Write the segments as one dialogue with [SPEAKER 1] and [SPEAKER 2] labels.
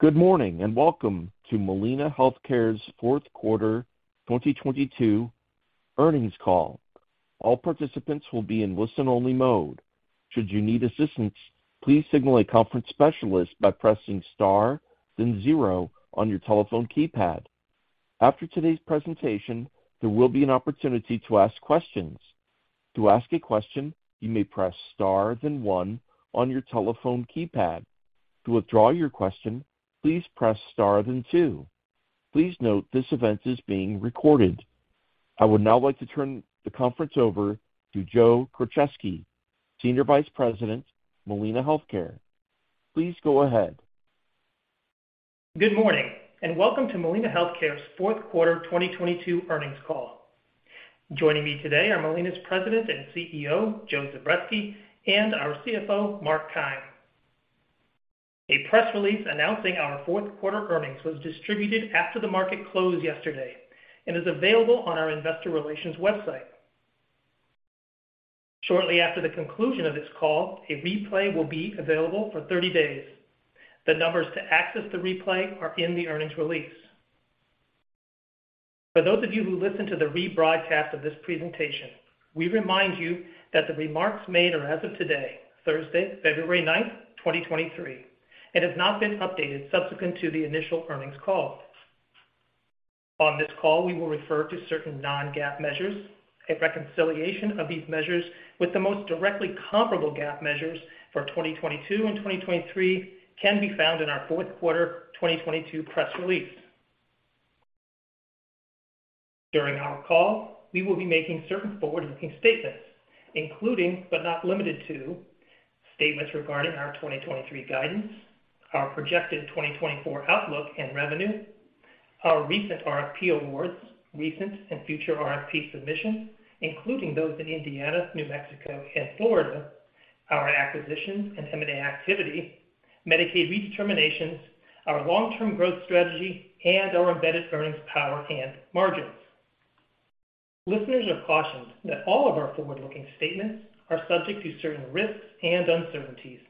[SPEAKER 1] Good morning, welcome to Molina Healthcare's fourth quarter 2022 earnings call. All participants will be in listen-only mode. Should you need assistance, please signal a conference specialist by pressing star then zero on your telephone keypad. After today's presentation, there will be an opportunity to ask questions. To ask a question, you may press star then one on your telephone keypad. To withdraw your question, please press star then two. Please note this event is being recorded. I would now like to turn the conference over to Joe Krocheski, Senior Vice President, Molina Healthcare. Please go ahead.
[SPEAKER 2] Good morning, and welcome to Molina Healthcare's fourth quarter 2022 earnings call. Joining me today are Molina's President and CEO, Joe Zubretsky, and our CFO, Mark Keim. A press release announcing our fourth quarter earnings was distributed after the market closed yesterday and is available on our investor relations website. Shortly after the conclusion of this call, a replay will be available for 30 days. The numbers to access the replay are in the earnings release. For those of you who listen to the rebroadcast of this presentation, we remind you that the remarks made are as of today, Thursday, February 9th, 2023, and has not been updated subsequent to the initial earnings call. On this call, we will refer to certain non-GAAP measures. A reconciliation of these measures with the most directly comparable GAAP measures for 2022 and 2023 can be found in our fourth quarter 2022 press release. During our call, we will be making certain forward-looking statements, including, but not limited to, statements regarding our 2023 guidance, our projected 2024 outlook, and revenue, our recent RFP awards, recent and future RFP submissions, including those in Indiana, New Mexico, and Florida, our acquisitions and M&A activity, Medicaid redeterminations, our long-term growth strategy, and our embedded earnings power and margins. Listeners are cautioned that all of our forward-looking statements are subject to certain risks and uncertainties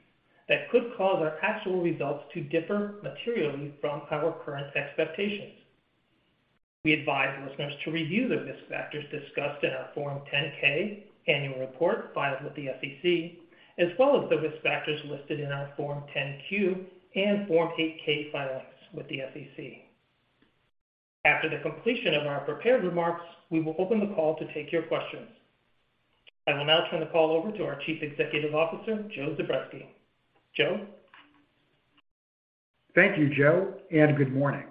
[SPEAKER 2] that could cause our actual results to differ materially from our current expectations. We advise listeners to review the risk factors discussed in our Form 10-K annual report filed with the SEC, as well as the risk factors listed in our Form 10-Q and Form 8-K filings with the SEC. After the completion of our prepared remarks, we will open the call to take your questions. I will now turn the call over to our Chief Executive Officer, Joe Zubretsky. Joe.
[SPEAKER 3] Thank you, Joe, and good morning.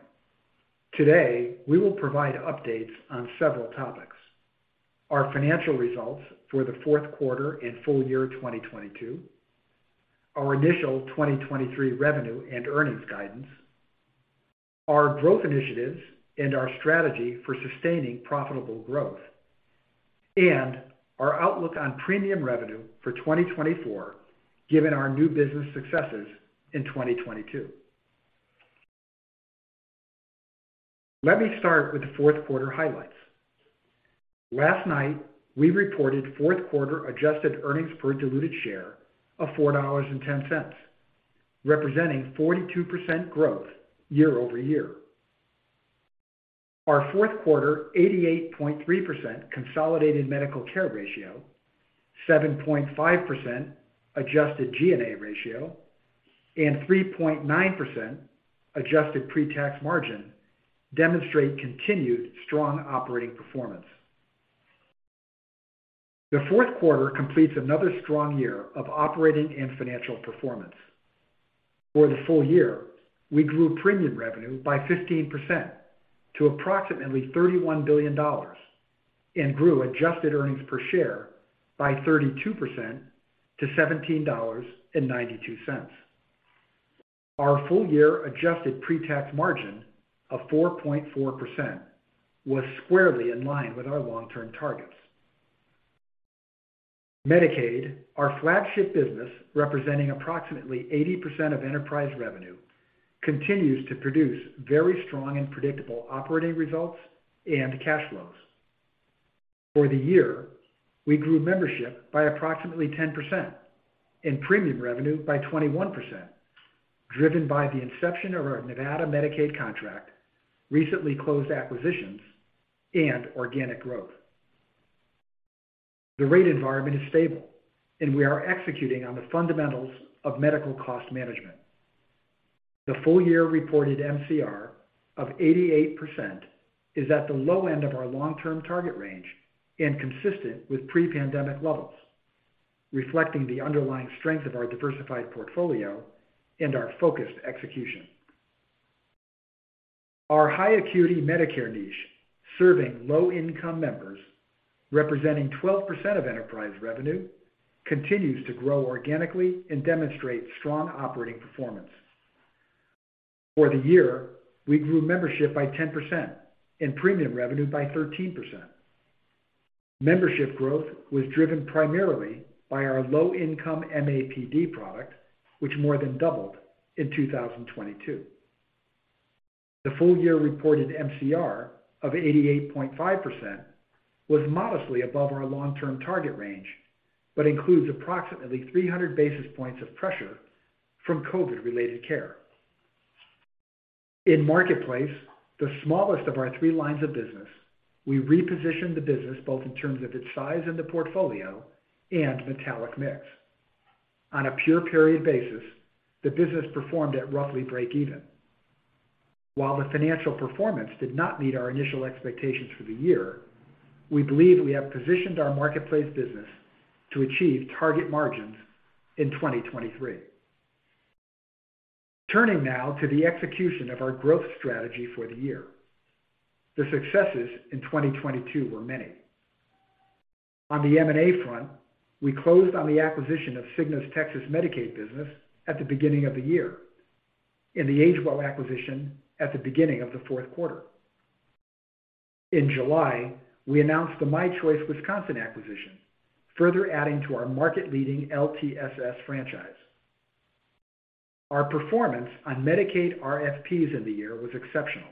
[SPEAKER 3] Today, we will provide updates on several topics: our financial results for the fourth quarter and full year 2022, our initial 2023 revenue and earnings guidance, our growth initiatives and our strategy for sustaining profitable growth, and our outlook on premium revenue for 2024, given our new business successes in 2022. Let me start with the fourth quarter highlights. Last night, we reported fourth quarter adjusted earnings per diluted share of $4.10, representing 42% growth year-over-year. Our fourth quarter 88.3% consolidated medical care ratio, 7.5% adjusted G&A ratio, and 3.9% adjusted pre-tax margin demonstrate continued strong operating performance. The fourth quarter completes another strong year of operating and financial performance. For the full year, we grew premium revenue by 15% to approximately $31 billion and grew adjusted earnings per share by 32% to $17.92. Our full year adjusted pre-tax margin of 4.4% was squarely in line with our long-term targets. Medicaid, our flagship business, representing approximately 80% of enterprise revenue, continues to produce very strong and predictable operating results and cash flows. For the year, we grew membership by approximately 10% and premium revenue by 21%, driven by the inception of our Nevada Medicaid contract, recently closed acquisitions, and organic growth. The rate environment is stable, and we are executing on the fundamentals of medical cost management. The full year reported MCR of 88% is at the low end of our long-term target range and consistent with pre-pandemic levels, reflecting the underlying strength of our diversified portfolio and our focused execution. Our high acuity Medicare niche, serving low income members, representing 12% of enterprise revenue, continues to grow organically and demonstrate strong operating performance. For the year, we grew membership by 10% and premium revenue by 13%. Membership growth was driven primarily by our low income MAPD product, which more than doubled in 2022. The full year reported MCR of 88.5% was modestly above our long-term target range, but includes approximately 300 basis points of pressure from COVID related care. In Marketplace, the smallest of our three lines of business, we repositioned the business both in terms of its size and the portfolio and metallic mix. On a pure period basis, the business performed at roughly break even. While the financial performance did not meet our initial expectations for the year, we believe we have positioned our Marketplace business to achieve target margins in 2023. Turning now to the execution of our growth strategy for the year. The successes in 2022 were many. On the M&A front, we closed on the acquisition of Cigna's Texas Medicaid business at the beginning of the year. In the AgeWell acquisition at the beginning of the fourth quarter. In July, we announced the My Choice Wisconsin acquisition, further adding to our market-leading LTSS franchise. Our performance on Medicaid RFPs in the year was exceptional.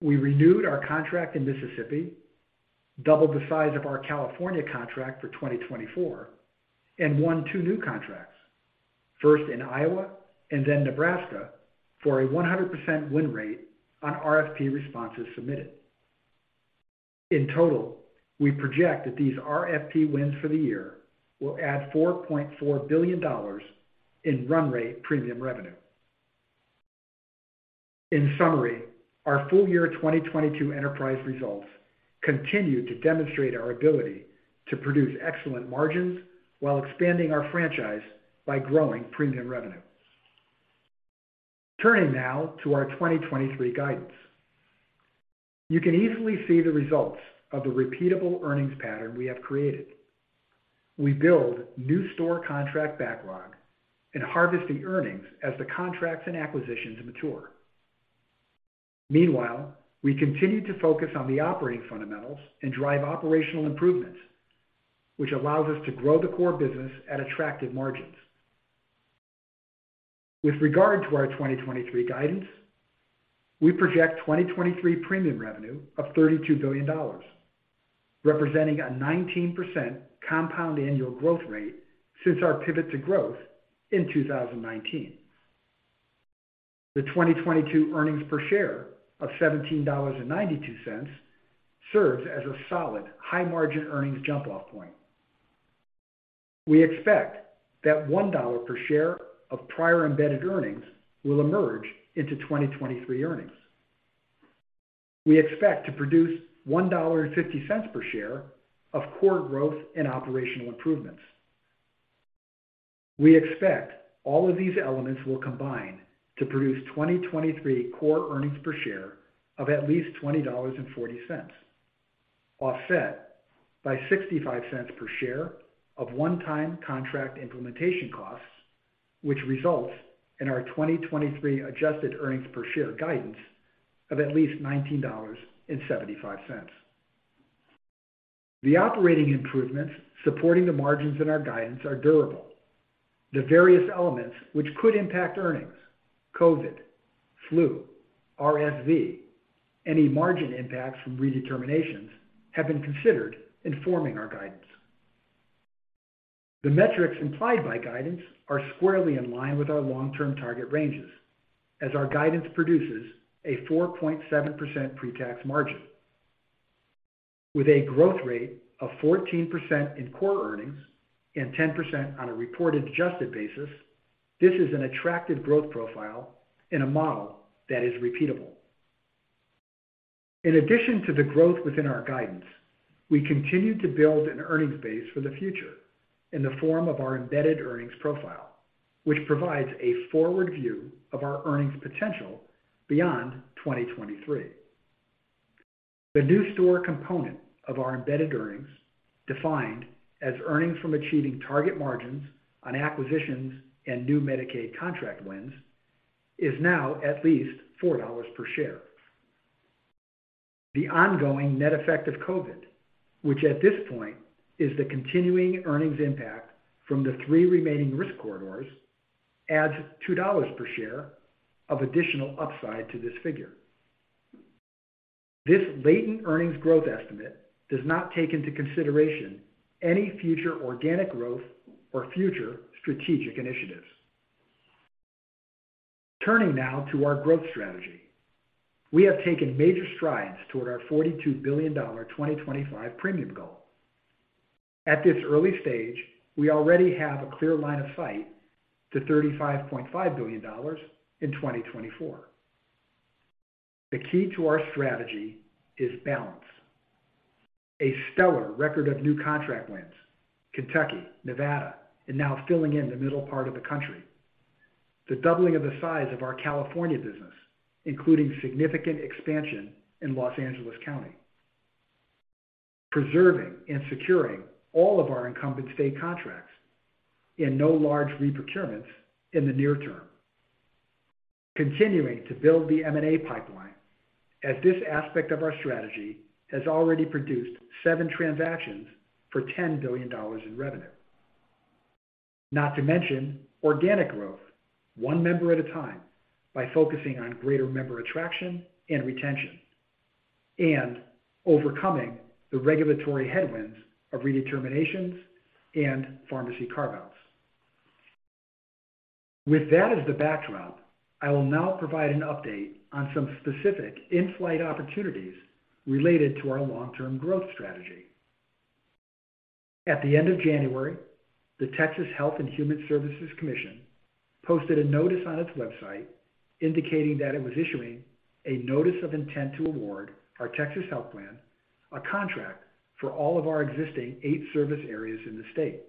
[SPEAKER 3] We renewed our contract in Mississippi, doubled the size of our California contract for 2024, and won two new contracts, first in Iowa and then Nebraska, for a 100% win rate on RFP responses submitted. In total, we project that these RFP wins for the year will add $4.4 billion in run rate premium revenue. In summary, our full year 2022 enterprise results continue to demonstrate our ability to produce excellent margins while expanding our franchise by growing premium revenue. Turning now to our 2023 guidance. You can easily see the results of the repeatable earnings pattern we have created. We build new store contract backlog and harvest the earnings as the contracts and acquisitions mature. Meanwhile, we continue to focus on the operating fundamentals and drive operational improvements, which allows us to grow the core business at attractive margins. With regard to our 2023 guidance, we project 2023 premium revenue of $32 billion, representing a 19% compound annual growth rate since our pivot to growth in 2019. The 2022 earnings per share of $17.92 serves as a solid high margin earnings jump off point. We expect that $1 per share of prior embedded earnings will emerge into 2023 earnings. We expect to produce $1.50 per share of core growth and operational improvements. We expect all of these elements will combine to produce 2023 core earnings per share of at least $20.40, offset by $0.65 per share of one-time contract implementation costs, which results in our 2023 adjusted earnings per share guidance of at least $19.75. The operating improvements supporting the margins in our guidance are durable. The various elements which could impact earnings, COVID, flu, RSV, any margin impacts from redeterminations, have been considered in forming our guidance. The metrics implied by guidance are squarely in line with our long-term target ranges as our guidance produces a 4.7% pre-tax margin. With a growth rate of 14% in core earnings and 10% on a reported adjusted basis, this is an attractive growth profile in a model that is repeatable. In addition to the growth within our guidance, we continue to build an earnings base for the future in the form of our embedded earnings profile, which provides a forward view of our earnings potential beyond 2023. The new store component of our embedded earnings, defined as earnings from achieving target margins on acquisitions and new Medicaid contract wins, is now at least $4 per share. The ongoing net effect of COVID, which at this point is the continuing earnings impact from the three remaining risk corridors, adds $2 per share of additional upside to this figure. This latent earnings growth estimate does not take into consideration any future organic growth or future strategic initiatives. Turning now to our growth strategy. We have taken major strides toward our $42 billion 2025 premium goal. At this early stage, we already have a clear line of sight to $35.5 billion in 2024. The key to our strategy is balance. A stellar record of new contract wins, Kentucky, Nevada, and now filling in the middle part of the country. The doubling of the size of our California business, including significant expansion in Los Angeles County. Preserving and securing all of our incumbent state contracts in no large reprocurements in the near term. Continuing to build the M&A pipeline as this aspect of our strategy has already produced seven transactions for $10 billion in revenue. Not to mention organic growth, one member at a time by focusing on greater member attraction and retention, and overcoming the regulatory headwinds of redeterminations and pharmacy carve-outs. With that as the backdrop, I will now provide an update on some specific in-flight opportunities related to our long-term growth strategy. At the end of January, the Texas Health and Human Services Commission posted a notice on its website indicating that it was issuing a notice of intent to award our Texas Health Plan a contract for all of our existing eight service areas in the state.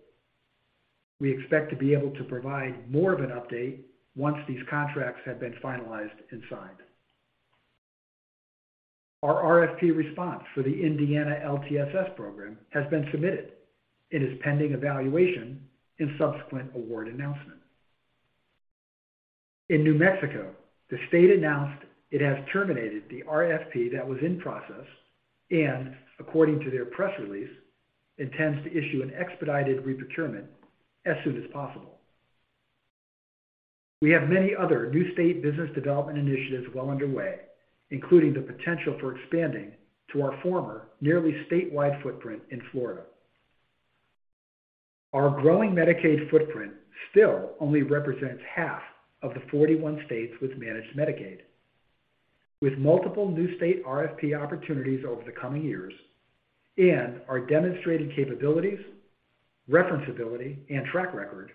[SPEAKER 3] We expect to be able to provide more of an update once these contracts have been finalized and signed. Our RFP response for the Indiana LTSS program has been submitted. It is pending evaluation in subsequent award announcement. In New Mexico, the state announced it has terminated the RFP that was in process and according to their press release, intends to issue an expedited re-procurement as soon as possible. We have many other new state business development initiatives well underway, including the potential for expanding to our former nearly statewide footprint in Florida. Our growing Medicaid footprint still only represents half of the 41 states with managed Medicaid. With multiple new state RFP opportunities over the coming years and our demonstrated capabilities, reference ability and track record,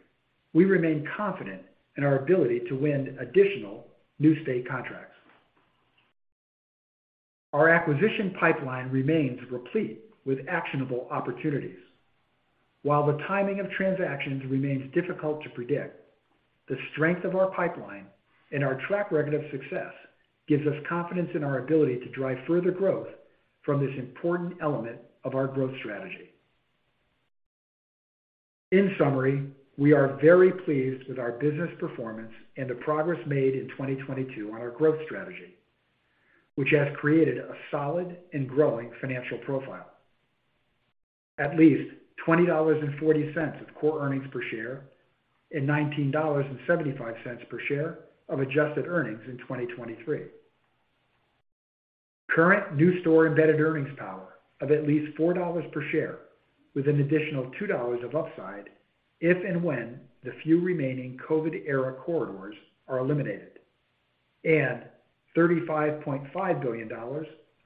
[SPEAKER 3] we remain confident in our ability to win additional new state contracts. Our acquisition pipeline remains replete with actionable opportunities. While the timing of transactions remains difficult to predict, the strength of our pipeline and our track record of success gives us confidence in our ability to drive further growth from this important element of our growth strategy. In summary, we are very pleased with our business performance and the progress made in 2022 on our growth strategy, which has created a solid and growing financial profile. At least $20.40 of core earnings per share and $19.75 per share of adjusted earnings in 2023. Current new store embedded earnings power of at least $4 per share with an additional $2 of upside if and when the few remaining COVID era corridors are eliminated, and $35.5 billion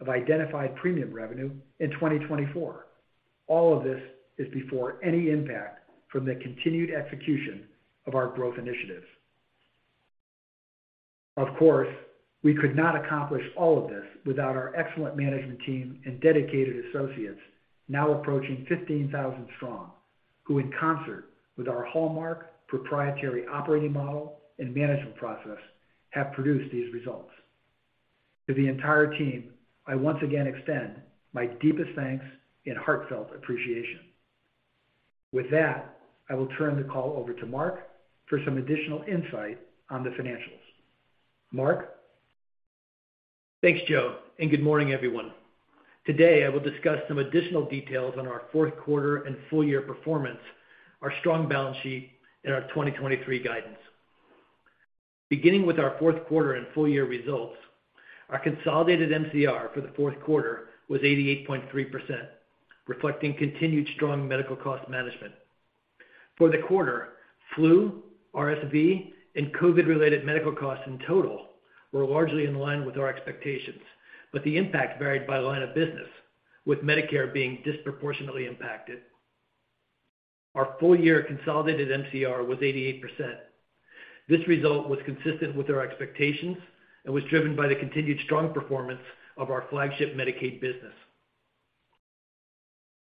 [SPEAKER 3] of identified premium revenue in 2024. All of this is before any impact from the continued execution of our growth initiatives. Of course, we could not accomplish all of this without our excellent management team and dedicated associates now approaching 15,000 strong, who in concert with our hallmark proprietary operating model and management process, have produced these results. To the entire team, I once again extend my deepest thanks and heartfelt appreciation. With that, I will turn the call over to Mark for some additional insight on the financials. Mark?
[SPEAKER 4] Thanks, Joe. Good morning, everyone. Today I will discuss some additional details on our fourth quarter and full year performance, our strong balance sheet, and our 2023 guidance. Beginning with our fourth quarter and full year results, our consolidated MCR for the fourth quarter was 88.3%, reflecting continued strong medical cost management. For the quarter, flu, RSV, and COVID related medical costs in total were largely in line with our expectations, but the impact varied by line of business, with Medicare being disproportionately impacted. Our full year consolidated MCR was 88%. This result was consistent with our expectations and was driven by the continued strong performance of our flagship Medicaid business.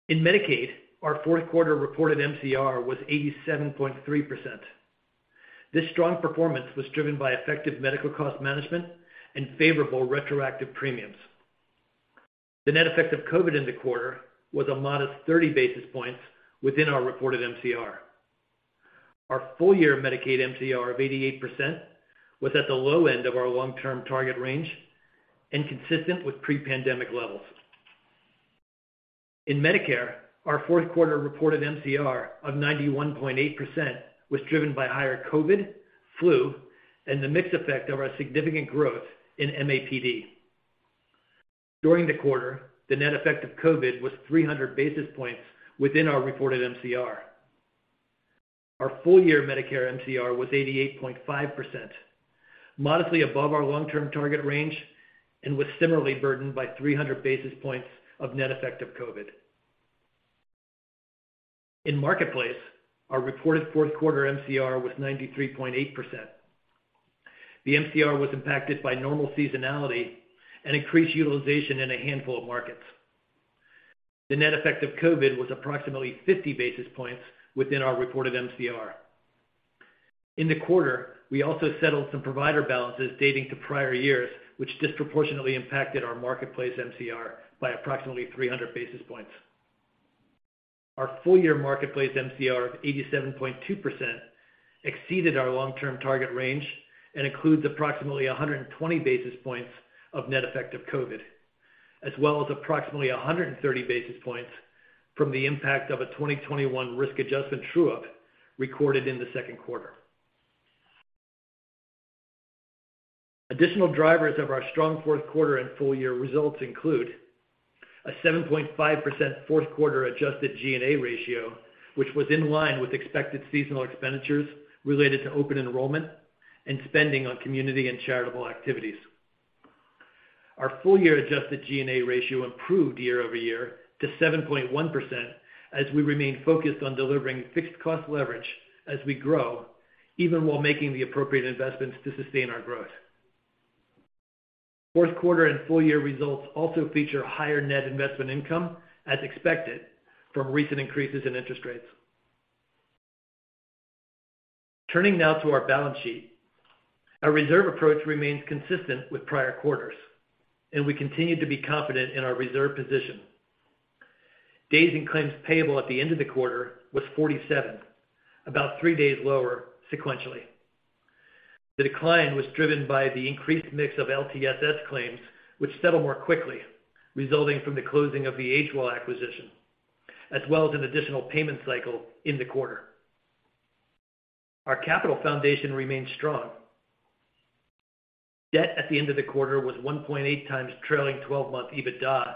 [SPEAKER 4] In Medicaid, our fourth quarter reported MCR was 87.3%. This strong performance was driven by effective medical cost management and favorable retroactive premiums. The net effect of COVID in the quarter was a modest 30 basis points within our reported MCR. Our full year Medicaid MCR of 88% was at the low end of our long-term target range and consistent with pre-pandemic levels. In Medicare, our fourth quarter reported MCR of 91.8% was driven by higher COVID, flu, and the mix effect of our significant growth in MAPD. During the quarter, the net effect of COVID was 300 basis points within our reported MCR. Our full year Medicare MCR was 88.5%, modestly above our long-term target range, and was similarly burdened by 300 basis points of net effect of COVID. In Marketplace, our reported fourth quarter MCR was 93.8%. The MCR was impacted by normal seasonality and increased utilization in a handful of markets. The net effect of COVID was approximately 50 basis points within our reported MCR. In the quarter, we also settled some provider balances dating to prior years, which disproportionately impacted our Marketplace MCR by approximately 300 basis points. Our full year Marketplace MCR of 87.2% exceeded our long-term target range and includes approximately 120 basis points of net effect of COVID, as well as approximately 130 basis points from the impact of a 2021 risk adjustment true-up recorded in the second quarter. Additional drivers of our strong fourth quarter and full year results include a 7.5% fourth quarter adjusted G&A ratio, which was in line with expected seasonal expenditures related to open enrollment and spending on community and charitable activities. Our full year adjusted G&A ratio improved year-over-year to 7.1% as we remain focused on delivering fixed cost leverage as we grow, even while making the appropriate investments to sustain our growth. Fourth quarter and full year results also feature higher net investment income as expected from recent increases in interest rates. Turning now to our balance sheet. Our reserve approach remains consistent with prior quarters, and we continue to be confident in our reserve position. Days in claims payable at the end of the quarter was 47, about three days lower sequentially. The decline was driven by the increased mix of LTSS claims, which settle more quickly, resulting from the closing of the AgeWell acquisition, as well as an additional payment cycle in the quarter. Our capital foundation remains strong. Debt at the end of the quarter was 1.8x trailing 12-month EBITDA,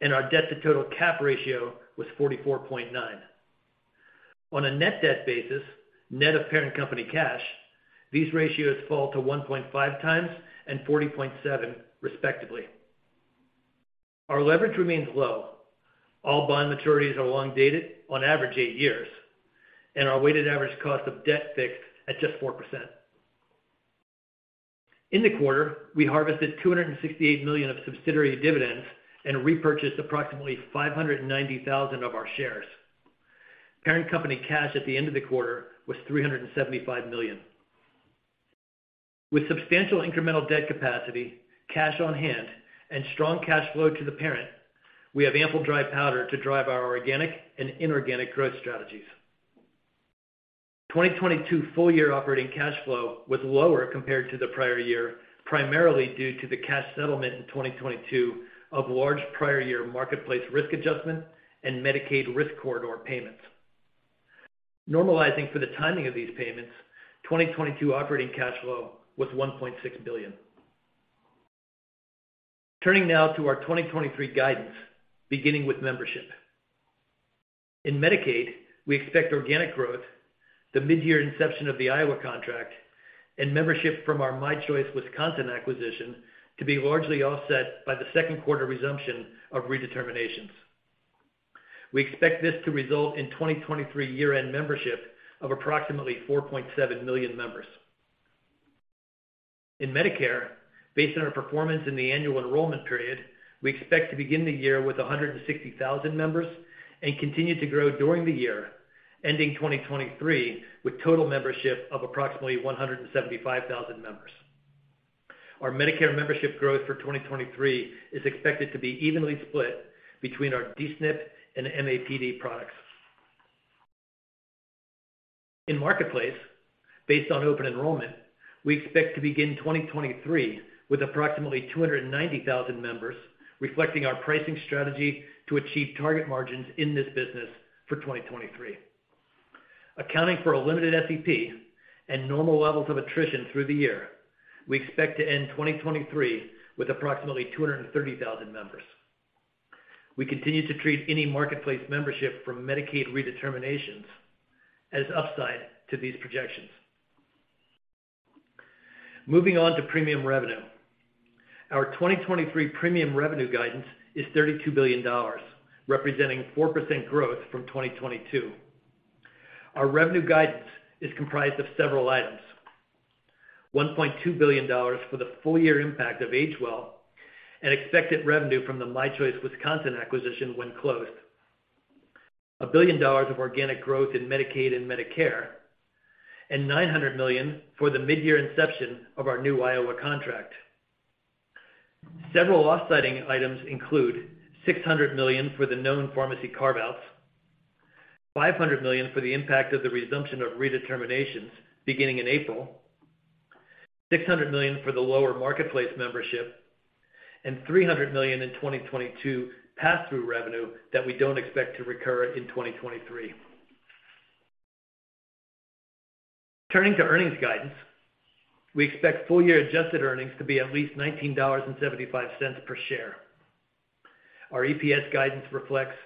[SPEAKER 4] and our debt to total cap ratio was 44.9. On a net debt basis, net of parent company cash, these ratios fall to 1.5x and 40.7, respectively. Our leverage remains low. All bond maturities are long dated on average 8 years, and our weighted average cost of debt fixed at just 4%. In the quarter, we harvested $268 million of subsidiary dividends and repurchased approximately 590,000 of our shares. Parent company cash at the end of the quarter was $375 million. With substantial incremental debt capacity, cash on hand, and strong cash flow to the parent, we have ample dry powder to drive our organic and inorganic growth strategies. 2022 full year operating cash flow was lower compared to the prior year, primarily due to the cash settlement in 2022 of large prior year marketplace risk adjustment and Medicaid risk corridor payments. Normalizing for the timing of these payments, 2022 operating cash flow was $1.6 billion. Turning now to our 2023 guidance, beginning with membership. In Medicaid, we expect organic growth, the mid-year inception of the Iowa contract, and membership from our My Choice Wisconsin acquisition to be largely offset by the second quarter resumption of redeterminations. We expect this to result in 2023 year-end membership of approximately 4.7 million members. In Medicare, based on our performance in the annual enrollment period, we expect to begin the year with 160,000 members and continue to grow during the year, ending 2023 with total membership of approximately 175,000 members. Our Medicare membership growth for 2023 is expected to be evenly split between our D-SNP and MAPD products. In Marketplace, based on open enrollment, we expect to begin 2023 with approximately 290,000 members, reflecting our pricing strategy to achieve target margins in this business for 2023. Accounting for a limited SEP and normal levels of attrition through the year, we expect to end 2023 with approximately 230,000 members. We continue to treat any Marketplace membership from Medicaid redeterminations as upside to these projections. Moving on to premium revenue. Our 2023 premium revenue guidance is $32 billion, representing 4% growth from 2022. Our revenue guidance is comprised of several items. $1.2 billion for the full year impact of AgeWell and expected revenue from the My Choice Wisconsin acquisition when closed. $1 billion of organic growth in Medicaid and Medicare, and $900 million for the mid-year inception of our new Iowa contract. Several offsetting items include $600 million for the known pharmacy carve-outs, $500 million for the impact of the resumption of redeterminations beginning in April, $600 million for the lower Marketplace membership, and $300 million in 2022 pass-through revenue that we don't expect to recur in 2023. Turning to earnings guidance. We expect full year adjusted earnings to be at least $19.75 per share. Our EPS guidance reflects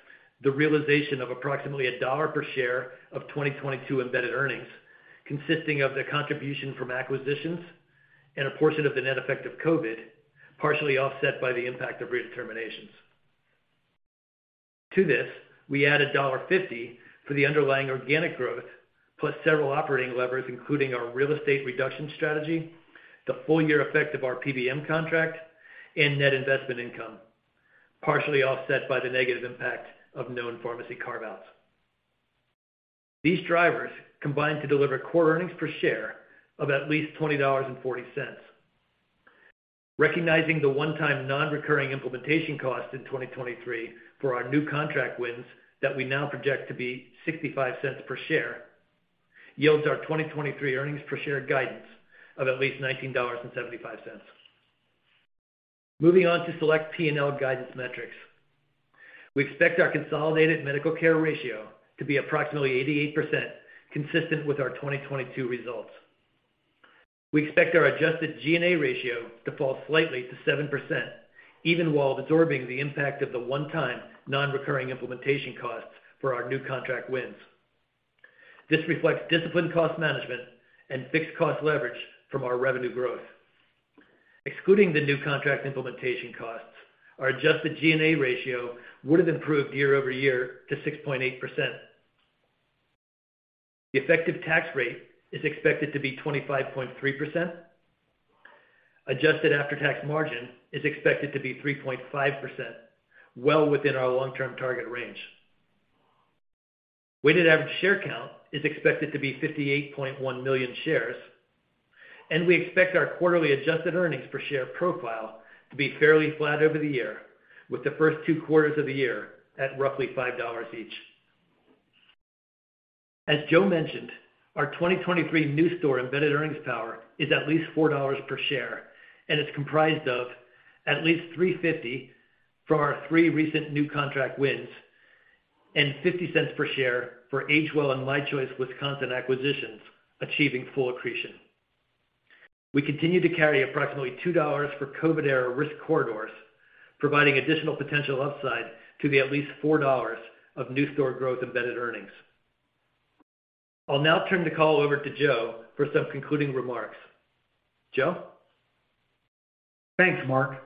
[SPEAKER 4] the realization of approximately $1 per share of 2022 embedded earnings, consisting of the contribution from acquisitions and a portion of the net effect of COVID, partially offset by the impact of redeterminations. To this, we add $1.50 for the underlying organic growth, plus several operating levers, including our real estate reduction strategy, the full year effect of our PBM contract, and net investment income, partially offset by the negative impact of known pharmacy carve-outs. These drivers combine to deliver core earnings per share of at least $20.40. Recognizing the one-time non-recurring implementation cost in 2023 for our new contract wins that we now project to be $0.65 per share, yields our 2023 earnings per share guidance of at least $19.75. Moving on to select P&L guidance metrics. We expect our consolidated medical care ratio to be approximately 88%, consistent with our 2022 results. We expect our adjusted G&A ratio to fall slightly to 7%, even while absorbing the impact of the one-time non-recurring implementation costs for our new contract wins. This reflects disciplined cost management and fixed cost leverage from our revenue growth. Excluding the new contract implementation costs, our adjusted G&A ratio would have improved year-over-year to 6.8%. The effective tax rate is expected to be 25.3%. Adjusted after-tax margin is expected to be 3.5%, well within our long-term target range. Weighted average share count is expected to be 58.1 million shares, and we expect our quarterly adjusted earnings per share profile to be fairly flat over the year, with the first two quarters of the year at roughly $5 each. As Joe mentioned, our 2023 new store embedded earnings power is at least $4 per share, and it's comprised of at least $3.50 from our three recent new contract wins and $0.50 per share for AgeWell and My Choice Wisconsin acquisitions, achieving full accretion. We continue to carry approximately $2 for COVID-era risk corridors, providing additional potential upside to the at least $4 of new store growth embedded earnings. I'll now turn the call over to Joe for some concluding remarks. Joe?
[SPEAKER 3] Thanks, Mark.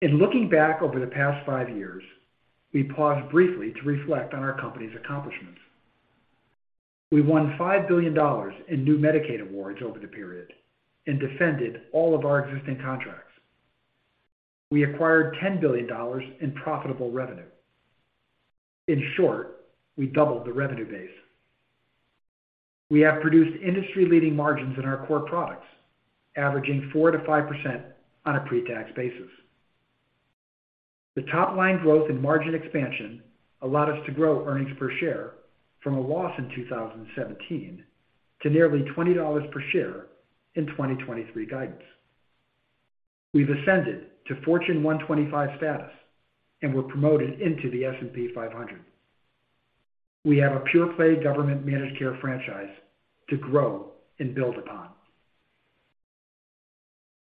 [SPEAKER 3] In looking back over the past five years, we pause briefly to reflect on our company's accomplishments. We won $5 billion in new Medicaid awards over the period and defended all of our existing contracts. We acquired $10 billion in profitable revenue. In short, we doubled the revenue base. We have produced industry-leading margins in our core products, averaging 4%-5% on a pre-tax basis. The top-line growth and margin expansion allowed us to grow earnings per share from a loss in 2017 to nearly $20 per share in 2023 guidance. We've ascended to Fortune 125 status, and we're promoted into the S&P 500. We have a pure-play government managed care franchise to grow and build upon.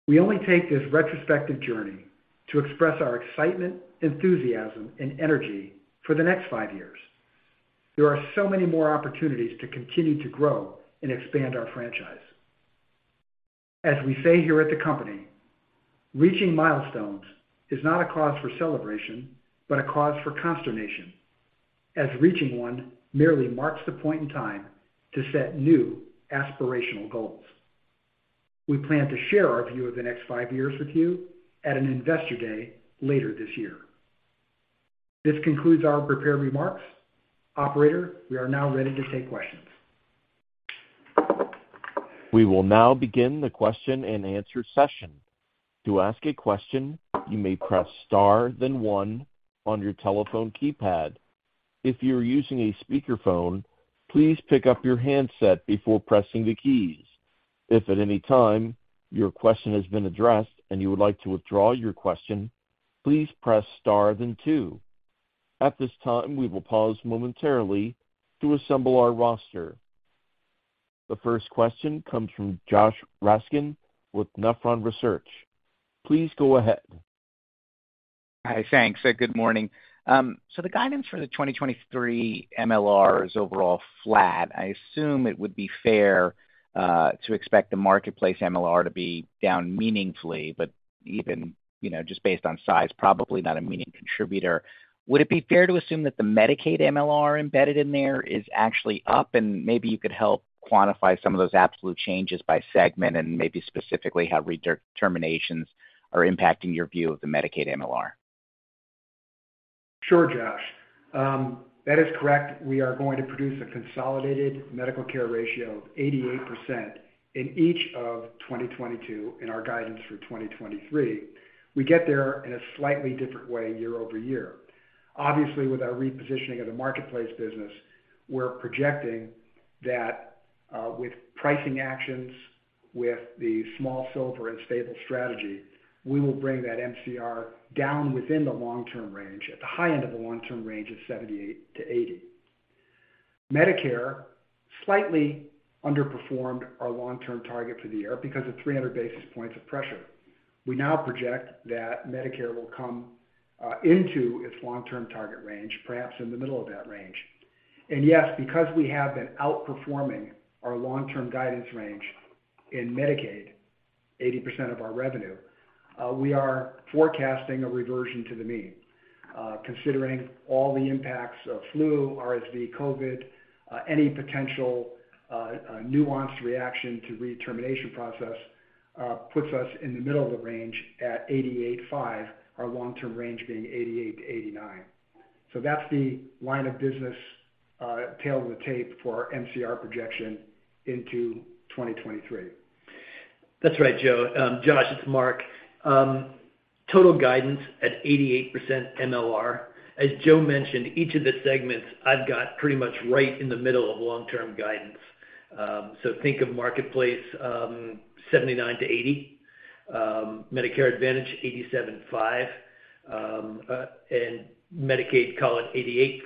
[SPEAKER 3] We only take this retrospective journey to express our excitement, enthusiasm, and energy for the next five years. There are so many more opportunities to continue to grow and expand our franchise. As we say here at the company, reaching milestones is not a cause for celebration, but a cause for consternation, as reaching one merely marks the point in time to set new aspirational goals. We plan to share our view of the next five years with you at an investor day later this year. This concludes our prepared remarks. Operator, we are now ready to take questions.
[SPEAKER 1] We will now begin the question-and-answer session. To ask a question, you may press star, then one on your telephone keypad. If you're using a speakerphone, please pick up your handset before pressing the keys. If at any time your question has been addressed and you would like to withdraw your question, please press star then two. At this time, we will pause momentarily to assemble our roster. The first question comes from Josh Raskin with Nephron Research. Please go ahead.
[SPEAKER 5] Hi. Thanks, and good morning. The guidance for the 2023 MLR is overall flat. I assume it would be fair to expect the marketplace MLR to be down meaningfully, but even, you know, just based on size, probably not a meaning contributor. Would it be fair to assume that the Medicaid MLR embedded in there is actually up? Maybe you could help quantify some of those absolute changes by segment, and maybe specifically how redeterminations are impacting your view of the Medicaid MLR.
[SPEAKER 3] Sure, Josh. That is correct. We are going to produce a consolidated medical care ratio of 88% in each of 2022 in our guidance for 2023. We get there in a slightly different way year-over-year. Obviously, with our repositioning of the marketplace business, we're projecting that, with pricing actions, with the small silver and stable strategy, we will bring that MCR down within the long-term range, at the high end of the long-term range of 78%-80%. Medicare slightly underperformed our long-term target for the year because of 300 basis points of pressure. We now project that Medicare will come into its long-term target range, perhaps in the middle of that range. Yes, because we have been outperforming our long-term guidance range in Medicaid, 80% of our revenue, we are forecasting a reversion to the mean. Considering all the impacts of flu, RSV, COVID, any potential nuanced reaction to redetermination process, puts us in the middle of the range at 88.5%, our long-term range being 88%-89%. That's the line of business tail of the tape for MCR projection into 2023.
[SPEAKER 4] That's right, Joe. Josh, it's Mark. Total guidance at 88% MLR. As Joe mentioned, each of the segments I've got pretty much right in the middle of long-term guidance. Think of Marketplace, 79-80, Medicare Advantage 87.5, and Medicaid call it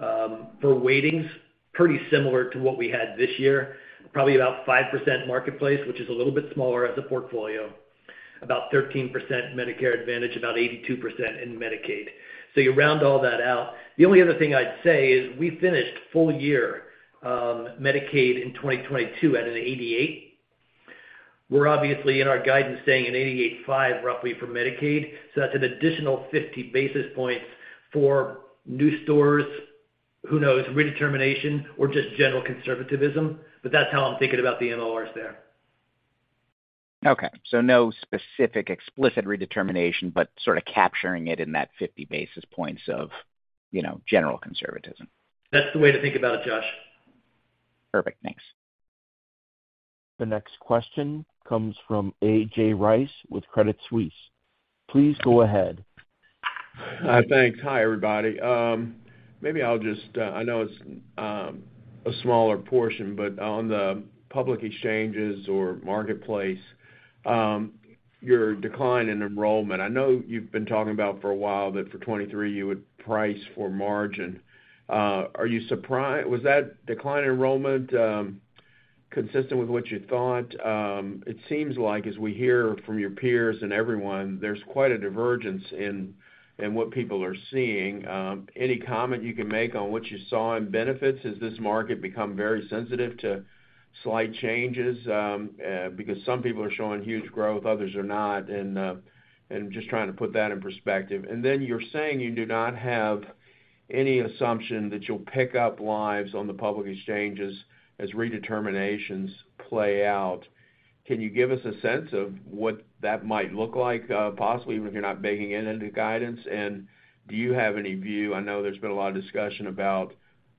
[SPEAKER 4] 88.5. For weightings, pretty similar to what we had this year, probably about 5% Marketplace, which is a little bit smaller as a portfolio, about 13% Medicare Advantage, about 82% in Medicaid. You round all that out. The only other thing I'd say is we finished full year Medicaid in 2022 at an 88. We're obviously in our guidance staying at 88.5% roughly for Medicaid, so that's an additional 50 basis points for new stores, who knows, redetermination or just general conservatism, but that's how I'm thinking about the MLRs there.
[SPEAKER 5] No specific explicit redetermination, but sort of capturing it in that 50 basis points of, you know, general conservatism.
[SPEAKER 4] That's the way to think about it, Josh.
[SPEAKER 5] Perfect. Thanks.
[SPEAKER 1] The next question comes from A.J. Rice with Credit Suisse. Please go ahead.
[SPEAKER 6] Thanks. Hi, everybody. Maybe I'll just, I know it's a smaller portion, but on the public exchanges or Marketplace, your decline in enrollment, I know you've been talking about for a while that for 23 you would price for margin. Was that decline in enrollment, consistent with what you thought? It seems like as we hear from your peers and everyone, there's quite a divergence in what people are seeing. Any comment you can make on what you saw in benefits? Has this market become very sensitive to slight changes? Because some people are showing huge growth, others are not, and just trying to put that in perspective. You're saying you do not have any assumption that you'll pick up lives on the public exchanges as redeterminations play out. Can you give us a sense of what that might look like, possibly even if you're not baking it into guidance? Do you have any view? I know there's been a lot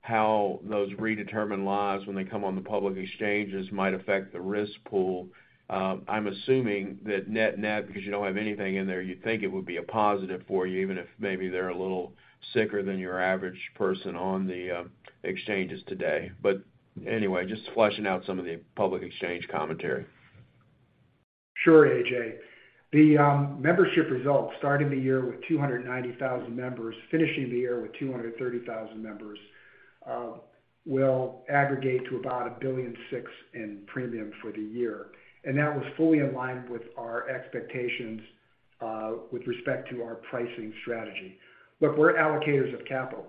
[SPEAKER 6] of discussion about how those redetermined lives, when they come on the public exchanges, might affect the risk pool. I'm assuming that net net, because you don't have anything in there, you think it would be a positive for you, even if maybe they're a little sicker than your average person on the exchanges today. Anyway, just fleshing out some of the public exchange commentary.
[SPEAKER 3] Sure, A.J. The membership results, starting the year with 290,000 members, finishing the year with 230,000 members, will aggregate to about $1.6 billion in premium for the year. That was fully aligned with our expectations with respect to our pricing strategy. Look, we're allocators of capital,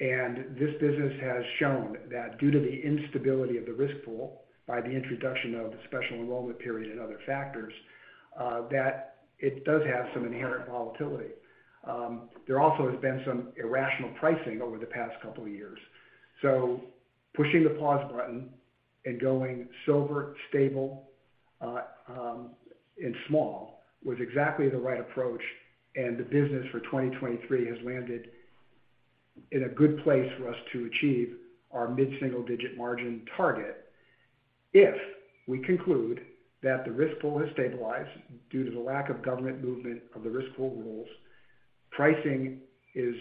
[SPEAKER 3] and this business has shown that due to the instability of the risk pool by the introduction of the special enrollment period and other factors, that it does have some inherent volatility. There also has been some irrational pricing over the past couple of years. Pushing the pause button and going sober, stable, and small was exactly the right approach, and the business for 2023 has landed in a good place for us to achieve our mid-single-digit margin target. If we conclude that the risk pool has stabilized due to the lack of government movement of the risk pool rules, pricing is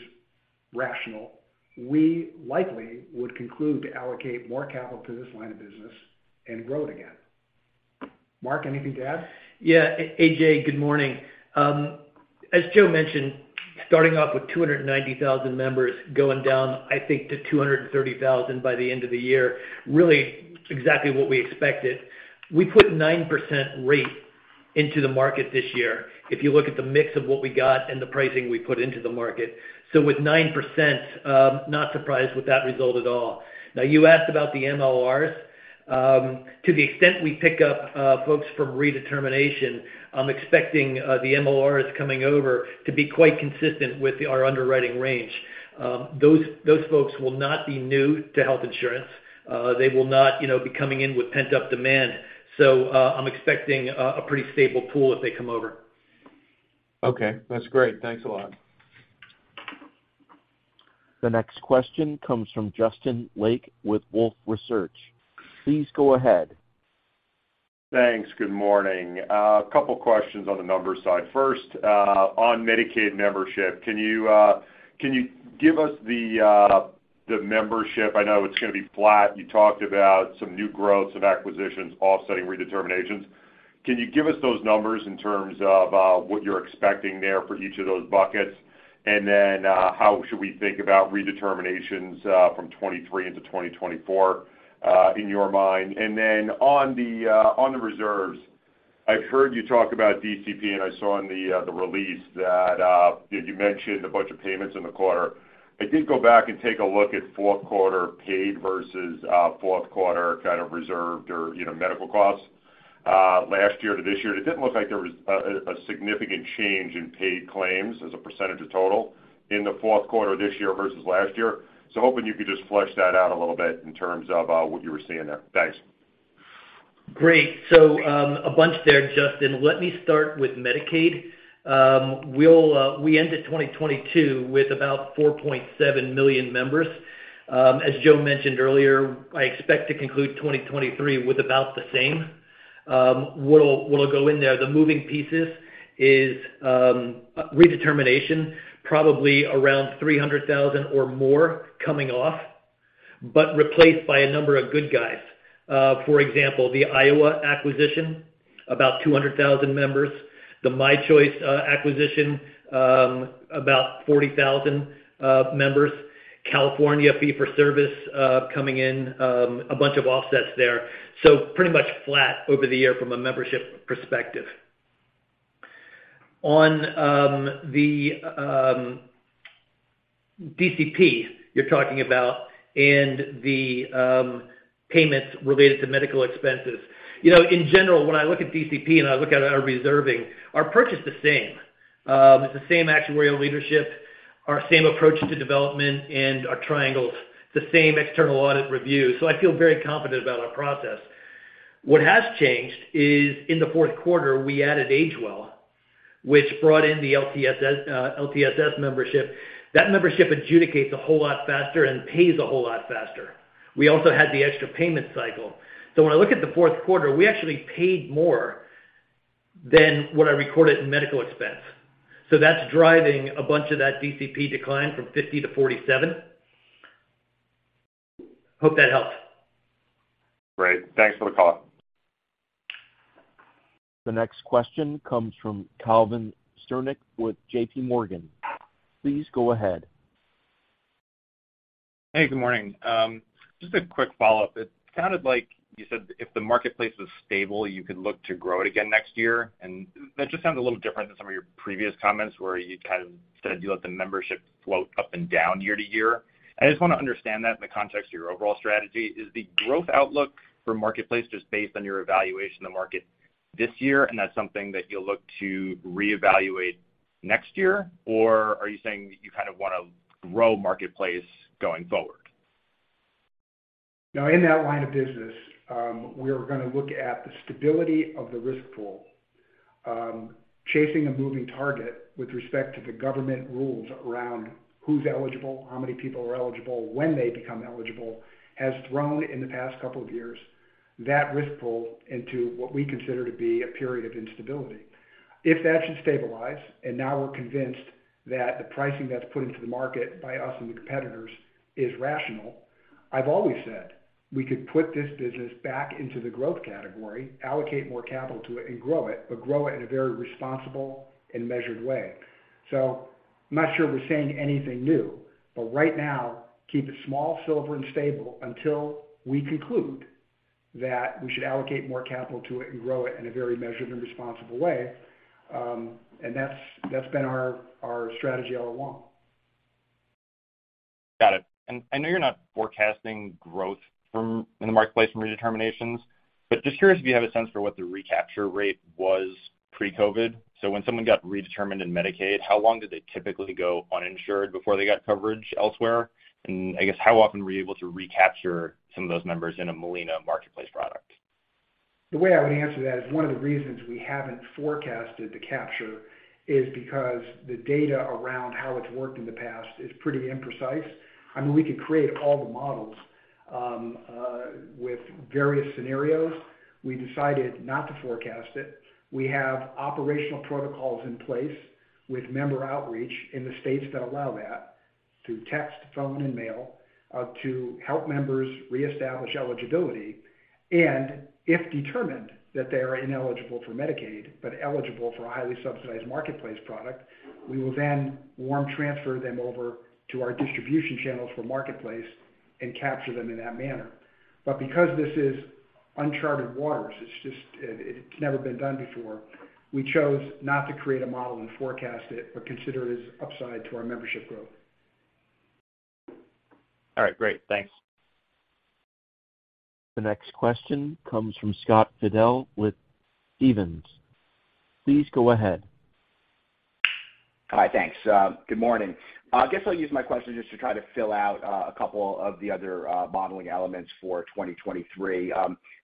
[SPEAKER 3] rational, we likely would conclude to allocate more capital to this line of business and grow it again. Mark, anything to add?
[SPEAKER 4] Yeah. A.J. Rice, good morning. As Joe mentioned, starting off with 290,000 members, going down, I think, to 230,000 by the end of the year, really exactly what we expected. We put 9% rate into the market this year if you look at the mix of what we got and the pricing we put into the market. With 9%, not surprised with that result at all. Now you asked about the MLRs. To the extent we pick up folks from redetermination, I'm expecting the MLRs coming over to be quite consistent with our underwriting range. Those folks will not be new to health insurance. They will not, you know, be coming in with pent-up demand. I'm expecting a pretty stable pool if they come over.
[SPEAKER 6] Okay. That's great. Thanks a lot.
[SPEAKER 1] The next question comes from Justin Lake with Wolfe Research. Please go ahead.
[SPEAKER 7] Thanks. Good morning. A couple questions on the numbers side. First, on Medicaid membership, can you, can you give us the membership? I know it's gonna be flat. You talked about some new growth, some acquisitions offsetting redeterminations. Can you give us those numbers in terms of what you're expecting there for each of those buckets? How should we think about redeterminations from 2023 into 2024 in your mind? On the reserves, I've heard you talk about DCP, and I saw in the release that, you know, you mentioned a bunch of payments in the quarter. I did go back and take a look at fourth quarter paid versus fourth quarter kind of reserved or, you know, medical costs last year to this year. It didn't look like there was a significant change in paid claims as a percentage of total in the fourth quarter this year versus last year. Hoping you could just flesh that out a little bit in terms of what you were seeing there. Thanks.
[SPEAKER 4] Great. A bunch there, Justin. Let me start with Medicaid. We'll, we ended 2022 with about 4.7 million members. As Joe mentioned earlier, I expect to conclude 2023 with about the same. What'll go in there, the moving pieces is, redetermination, probably around 300,000 or more coming off, replaced by a number of good guys. For example, the Iowa acquisition, about 200,000 members, the My Choice acquisition, about 40,000 members, California fee for service, coming in, a bunch of offsets there. Pretty much flat over the year from a membership perspective. On the DCP you're talking about and the payments related to medical expenses. You know, in general, when I look at DCP and I look at our reserving, our purchase the same. It's the same actuarial leadership, our same approach to development and our triangles, the same external audit review. I feel very confident about our process. What has changed is in the fourth quarter, we added AgeWell, which brought in the LTSS membership. That membership adjudicates a whole lot faster and pays a whole lot faster. We also had the extra payment cycle. When I look at the fourth quarter, we actually paid more than what I recorded in medical expense. That's driving a bunch of that DCP decline from 50-47. Hope that helps.
[SPEAKER 1] Great. Thanks for the call. The next question comes from Calvin Sternick with JPMorgan. Please go ahead.
[SPEAKER 8] Hey, good morning. Just a quick follow-up. It sounded like you said if the marketplace was stable, you could look to grow it again next year. That just sounds a little different than some of your previous comments where you kind of said you let the membership float up and down year to year. I just wanna understand that in the context of your overall strategy. Is the growth outlook for marketplace just based on your evaluation of the market this year, and that's something that you'll look to reevaluate next year? Are you saying that you kind of wanna grow marketplace going forward?
[SPEAKER 3] Now, in that line of business, we are gonna look at the stability of the risk pool. Chasing a moving target with respect to the government rules around who's eligible, how many people are eligible, when they become eligible, has thrown in the past couple of years that risk pool into what we consider to be a period of instability. If that should stabilize, and now we're convinced that the pricing that's put into the market by us and the competitors is rational, I've always said we could put this business back into the growth category, allocate more capital to it and grow it, but grow it in a very responsible and measured way. I'm not sure we're saying anything new, but right now, keep it small, silver, and stable until we conclude that we should allocate more capital to it and grow it in a very measured and responsible way. That's been our strategy all along.
[SPEAKER 8] Got it. I know you're not forecasting growth in the marketplace from redeterminations, but just curious if you have a sense for what the recapture rate was pre-COVID. When someone got redetermined in Medicaid, how long did they typically go uninsured before they got coverage elsewhere? I guess, how often were you able to recapture some of those members in a Molina marketplace product?
[SPEAKER 3] The way I would answer that is one of the reasons we haven't forecasted the capture is because the data around how it's worked in the past is pretty imprecise. I mean, we could create all the models with various scenarios. We decided not to forecast it. We have operational protocols in place with member outreach in the states that allow that through text, phone, and mail to help members reestablish eligibility. If determined that they are ineligible for Medicaid, but eligible for a highly subsidized marketplace product, we will then warm transfer them over to our distribution channels for marketplace and capture them in that manner. Because this is uncharted waters, it's never been done before. We chose not to create a model and forecast it, but consider it as upside to our membership growth.
[SPEAKER 8] All right, great. Thanks.
[SPEAKER 1] The next question comes from Scott Fidel with Stephens. Please go ahead.
[SPEAKER 9] Hi, thanks. good morning. I guess I'll use my question just to try to fill out a couple of the other modeling elements for 2023.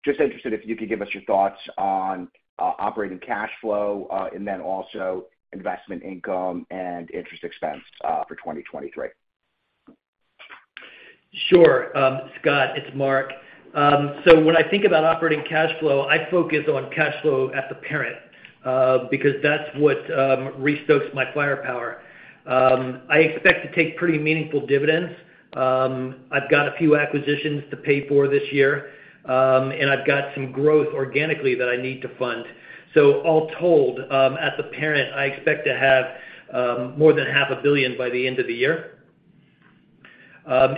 [SPEAKER 9] just interested if you could give us your thoughts on operating cash flow, and then also investment income and interest expense for 2023.
[SPEAKER 4] Sure. Scott, it's Mark. When I think about operating cash flow, I focus on cash flow at the parent, because that's what restokes my firepower. I expect to take pretty meaningful dividends. I've got a few acquisitions to pay for this year, and I've got some growth organically that I need to fund. All told, as a parent, I expect to have more than half a billion by the end of the year.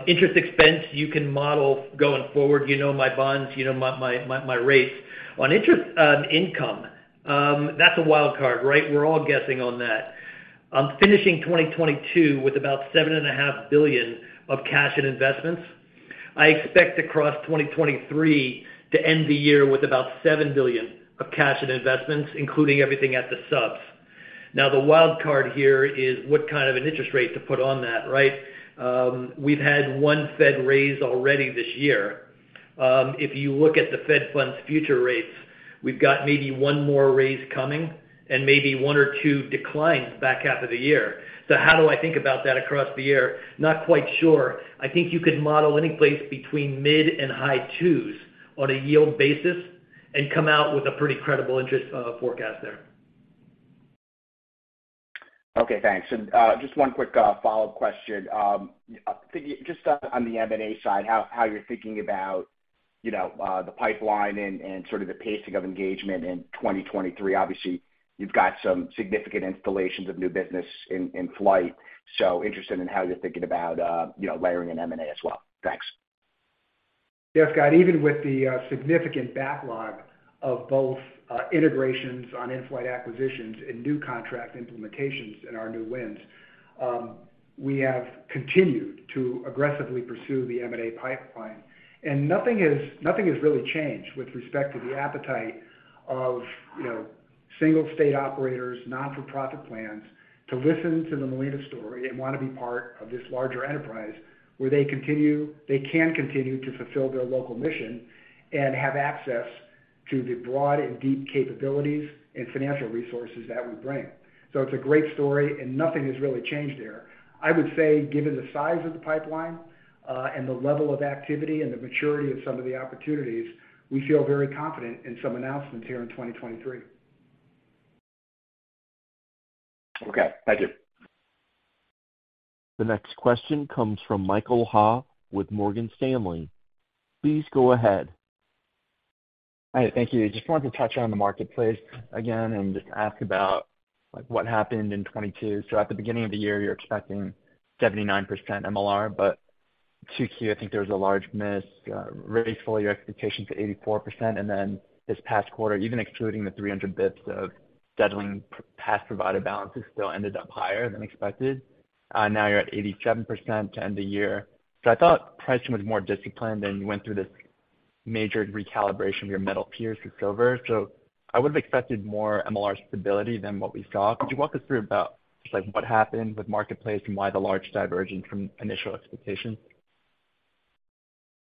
[SPEAKER 4] Interest expense, you can model going forward. You know my bonds, you know my rates. On income, that's a wild card, right? We're all guessing on that. I'm finishing 2022 with about seven and a half billion of cash and investments. I expect to cross 2023 to end the year with about $7 billion of cash and investments, including everything at the subs. The wild card here is what kind of an interest rate to put on that, right? We've had one Fed raise already this year. If you look at the Fed funds future rates, we've got maybe one more raise coming and maybe one or two declines back half of the year. How do I think about that across the year? Not quite sure. I think you could model any place between mid and high two's on a yield basis and come out with a pretty credible interest forecast there.
[SPEAKER 9] Okay, thanks. Just one quick, follow-up question. Just, on the M&A side, how you're thinking about, you know, the pipeline and sort of the pacing of engagement in 2023. Obviously, you've got some significant installations of new business in flight. Interested in how you're thinking about, you know, layering in M&A as well. Thanks.
[SPEAKER 3] Yes, Scott. Even with the significant backlog of both integrations on in-flight acquisitions and new contract implementations in our new wins, we have continued to aggressively pursue the M&A pipeline. Nothing has really changed with respect to the appetite of, you know, single state operators, not-for-profit plans to listen to the Molina story and wanna be part of this larger enterprise where they can continue to fulfill their local mission and have access to the broad and deep capabilities and financial resources that we bring. It's a great story, and nothing has really changed there. I would say, given the size of the pipeline, and the level of activity and the maturity of some of the opportunities, we feel very confident in some announcements here in 2023.
[SPEAKER 9] Okay. Thank you.
[SPEAKER 1] The next question comes from Michael Ha with Morgan Stanley. Please go ahead.
[SPEAKER 10] Hi. Thank you. Just wanted to touch on the marketplace again and ask about, like, what happened in 2022. At the beginning of the year, you're expecting 79% MLR, but 2Q, I think there was a large miss, raised all your expectations to 84%. This past quarter, even excluding the 300 basis points of settling past provider balances still ended up higher than expected. Now you're at 87% to end the year. I thought pricing was more disciplined, and you went through this major recalibration of your metal peers to silver. I would have expected more MLR stability than what we saw. Could you walk us through about just, like, what happened with marketplace and why the large divergence from initial expectations?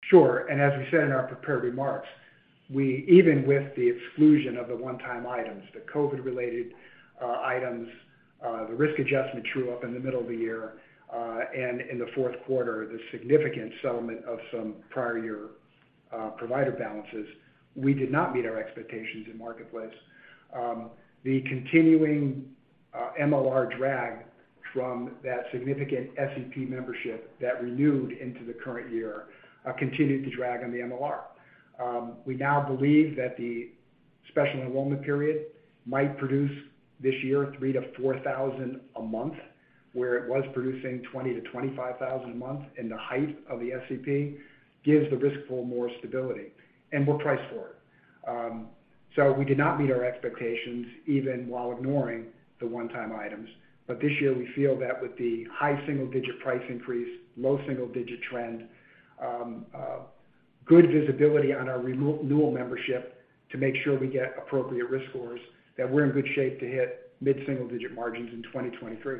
[SPEAKER 3] Sure. As we said in our prepared remarks, we even with the exclusion of the one-time items, the COVID-related items, the risk adjustment true-up in the middle of the year, and in the fourth quarter, the significant settlement of some prior year provider balances, we did not meet our expectations in marketplace. The continuing MLR drag from that significant SEP membership that renewed into the current year continued to drag on the MLR. We now believe that the special enrollment period might produce this year 3,000-4,000 a month, where it was producing 20,000-25,000 a month in the height of the SEP, gives the risk pool more stability, and we'll price for it. We did not meet our expectations even while ignoring the one-time items. This year, we feel that with the high single-digit price increase, low single-digit trend, good visibility on our re-renewal membership to make sure we get appropriate risk scores, that we're in good shape to hit mid-single digit margins in 2023.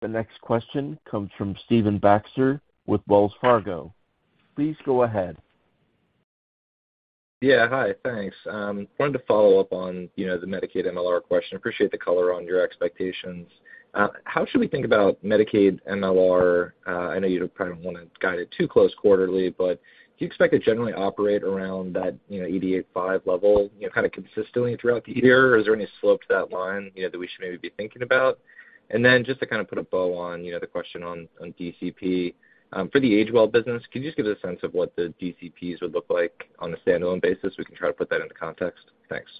[SPEAKER 1] The next question comes from Stephen Baxter with Wells Fargo. Please go ahead.
[SPEAKER 11] Hi, thanks. Wanted to follow up on, you know, the Medicaid MLR question. Appreciate the color on your expectations. How should we think about Medicaid MLR? I know you don't probably wanna guide it too close quarterly, but do you expect to generally operate around that, you know, 88.5% level, you know, kind of consistently throughout the year? Or is there any slope to that line, you know, that we should maybe be thinking about? Just to kind of put a bow on, you know, the question on DCP, for the AgeWell business, can you just give us a sense of what the DCPs would look like on a standalone basis? We can try to put that into context. Thanks.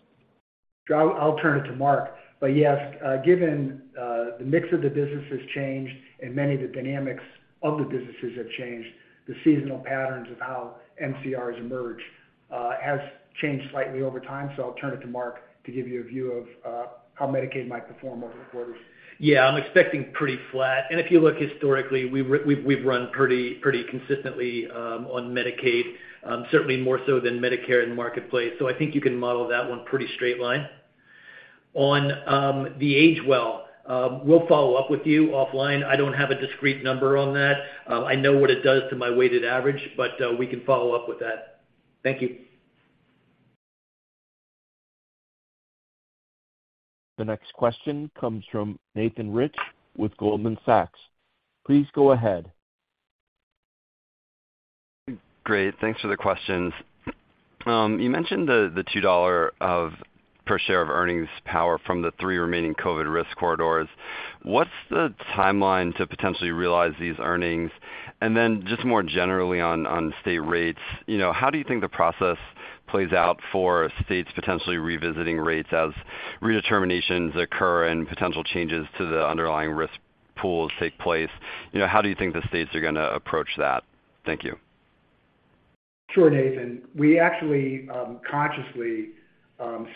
[SPEAKER 3] I'll turn it to Mark. Yes, given the mix of the business has changed and many of the dynamics of the businesses have changed, the seasonal patterns of how MCRs emerge, has changed slightly over time. I'll turn it to Mark to give you a view of how Medicaid might perform over the quarters.
[SPEAKER 4] Yeah, I'm expecting pretty flat. If you look historically, we've run pretty consistently on Medicaid, certainly more so than Medicare in the marketplace. I think you can model that one pretty straight line. On the AgeWell, we'll follow up with you offline. I don't have a discrete number on that. I know what it does to my weighted average, but we can follow up with that. Thank you.
[SPEAKER 1] The next question comes from Nathan Rich with Goldman Sachs. Please go ahead.
[SPEAKER 12] Great. Thanks for the questions. You mentioned the $2 of per share of earnings power from the three remaining COVID risk corridors. What's the timeline to potentially realize these earnings? Then just more generally on state rates, you know, how do you think the process plays out for states potentially revisiting rates as redeterminations occur and potential changes to the underlying risk pools take place? You know, how do you think the states are gonna approach that? Thank you.
[SPEAKER 3] Sure, Nathan. We actually, consciously,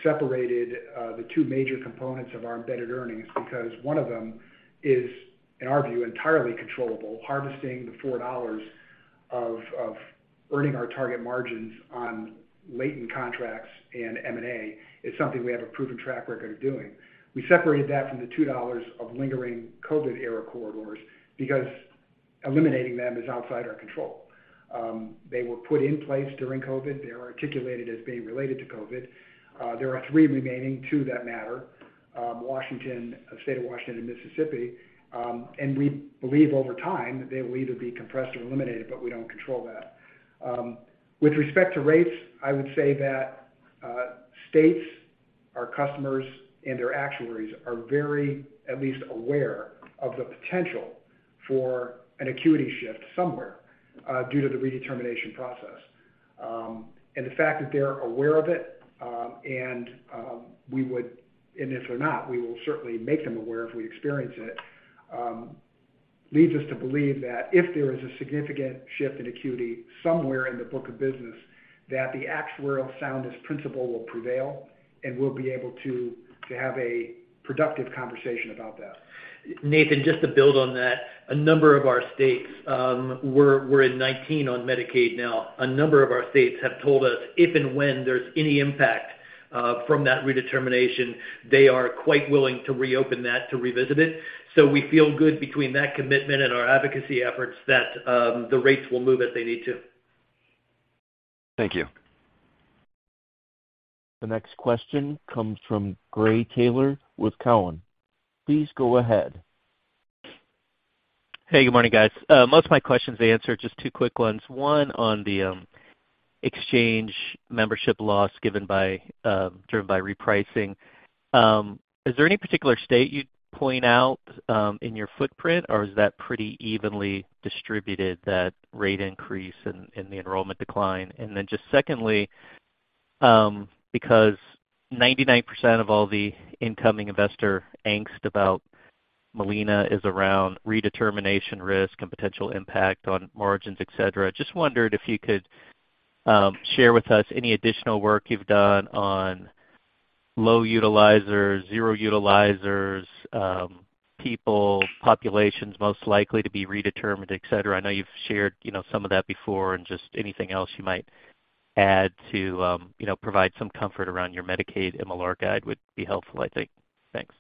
[SPEAKER 3] separated, the two major components of our embedded earnings because one of them is, in our view, entirely controllable, harvesting the $4 of Earning our target margins on latent contracts and M&A is something we have a proven track record of doing. We separated that from the $2 of lingering COVID era corridors because eliminating them is outside our control. They were put in place during COVID. They are articulated as being related to COVID. There are three remaining, two that matter, State of Washington and Mississippi. We believe over time they will either be compressed or eliminated, but we don't control that. With respect to rates, I would say that states, our customers and their actuaries are very at least aware of the potential for an acuity shift somewhere due to the redetermination process. The fact that they're aware of it, and if they're not, we will certainly make them aware if we experience it, leads us to believe that if there is a significant shift in acuity somewhere in the book of business, that the actuarial soundness principle will prevail, and we'll be able to have a productive conversation about that.
[SPEAKER 4] Nathan, just to build on that, a number of our states, we're in 19 on Medicaid now. A number of our states have told us if and when there's any impact from that redetermination, they are quite willing to reopen that to revisit it. We feel good between that commitment and our advocacy efforts that the rates will move as they need to.
[SPEAKER 13] Thank you.
[SPEAKER 1] The next question comes from Gary Taylor with Cowen. Please go ahead.
[SPEAKER 14] Hey, good morning, guys. Most of my questions are answered. Just two quick ones. One on the exchange membership loss given by, driven by repricing. Is there any particular state you'd point out in your footprint, or is that pretty evenly distributed, that rate increase in the enrollment decline? Just secondly, because 99% of all the incoming investor angst about Molina is around redetermination risk and potential impact on margins, et cetera. Just wondered if you could share with us any additional work you've done on low utilizers, zero utilizers, people, populations most likely to be redetermined, et cetera. I know you've shared, you know, some of that before and just anything else you might add to, you know, provide some comfort around your Medicaid MLR guide would be helpful, I think. Thanks.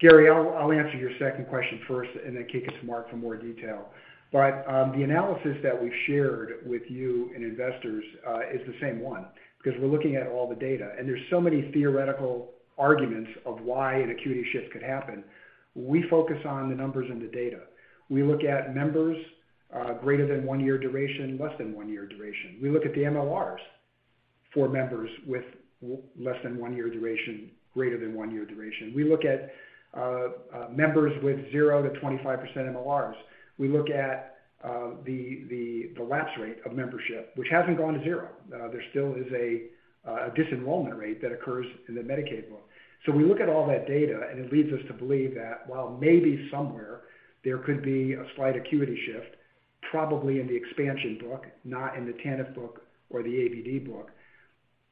[SPEAKER 3] Gary, I'll answer your second question first and then kick it to Mark for more detail. The analysis that we've shared with you and investors, is the same one, because we're looking at all the data, and there's so many theoretical arguments of why an acuity shift could happen. We focus on the numbers and the data. We look at members, greater than one year duration, less than one year duration. We look at the MLRs for members with less than one year duration, greater than one year duration. We look at members with 0-25% MLRs. We look at the lapse rate of membership, which hasn't gone to zero. There still is a dis-enrollment rate that occurs in the Medicaid book. We look at all that data, and it leads us to believe that while maybe somewhere there could be a slight acuity shift, probably in the expansion book, not in the TANF book or the ABD book,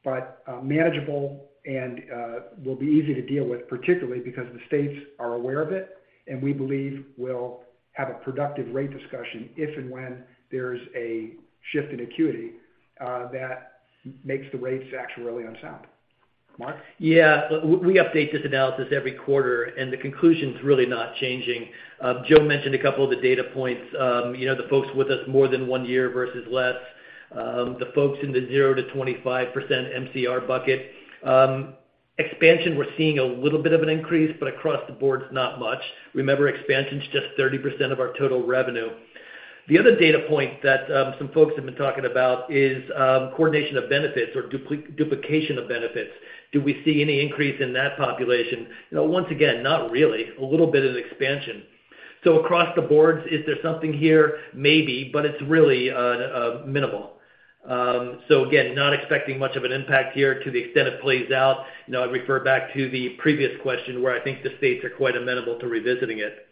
[SPEAKER 3] but manageable and will be easy to deal with, particularly because the states are aware of it, and we believe we'll have a productive rate discussion if and when there's a shift in acuity that makes the rates actuarially unsound. Mark?
[SPEAKER 4] We update this analysis every quarter, and the conclusion's really not changing. Joe mentioned a couple of the data points. You know, the folks with us more than one year versus less, the folks in the 0%-25% MCR bucket. Expansion, we're seeing a little bit of an increase, but across the board, it's not much. Remember, expansion's just 30% of our total revenue. The other data point that some folks have been talking about is coordination of benefits or duplication of benefits. Do we see any increase in that population? You know, once again, not really. A little bit of expansion. Across the board, is there something here? Maybe, but it's really minimal. Again, not expecting much of an impact here to the extent it plays out. You know, I refer back to the previous question, where I think the states are quite amenable to revisiting it.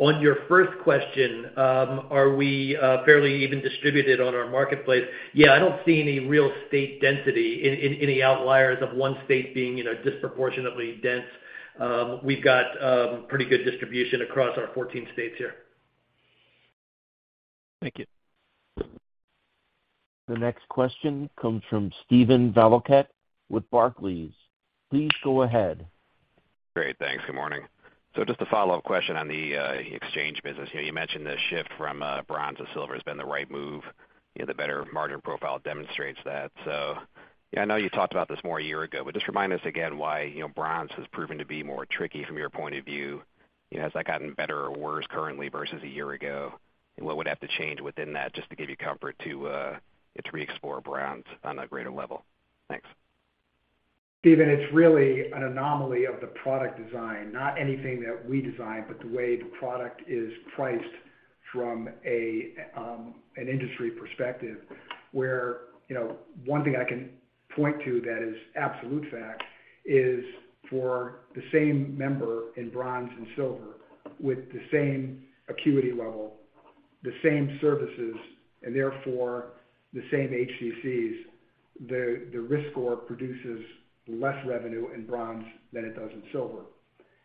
[SPEAKER 4] On your first question, are we fairly even distributed on our marketplace? Yeah, I don't see any real state density in any outliers of one state being, you know, disproportionately dense. We've got pretty good distribution across our 14 states here.
[SPEAKER 14] Thank you.
[SPEAKER 1] The next question comes from Steven Valiquette with Barclays. Please go ahead.
[SPEAKER 15] Great. Thanks. Good morning. Just a follow-up question on the exchange business. You know, you mentioned the shift from bronze to silver has been the right move. You know, the better margin profile demonstrates that. Yeah, I know you talked about this more a year ago, but just remind us again why, you know, bronze has proven to be more tricky from your point of view. You know, has that gotten better or worse currently versus a year ago? What would have to change within that just to give you comfort to re-explore bronze on a greater level? Thanks.
[SPEAKER 3] Steven, it's really an anomaly of the product design, not anything that we designed, but the way the product is priced from an industry perspective, where, you know, one thing I can point to that is absolute fact is for the same member in bronze and silver with the same acuity level, the same services, and therefore the same HCCs, the risk score produces less revenue in bronze than it does in silver.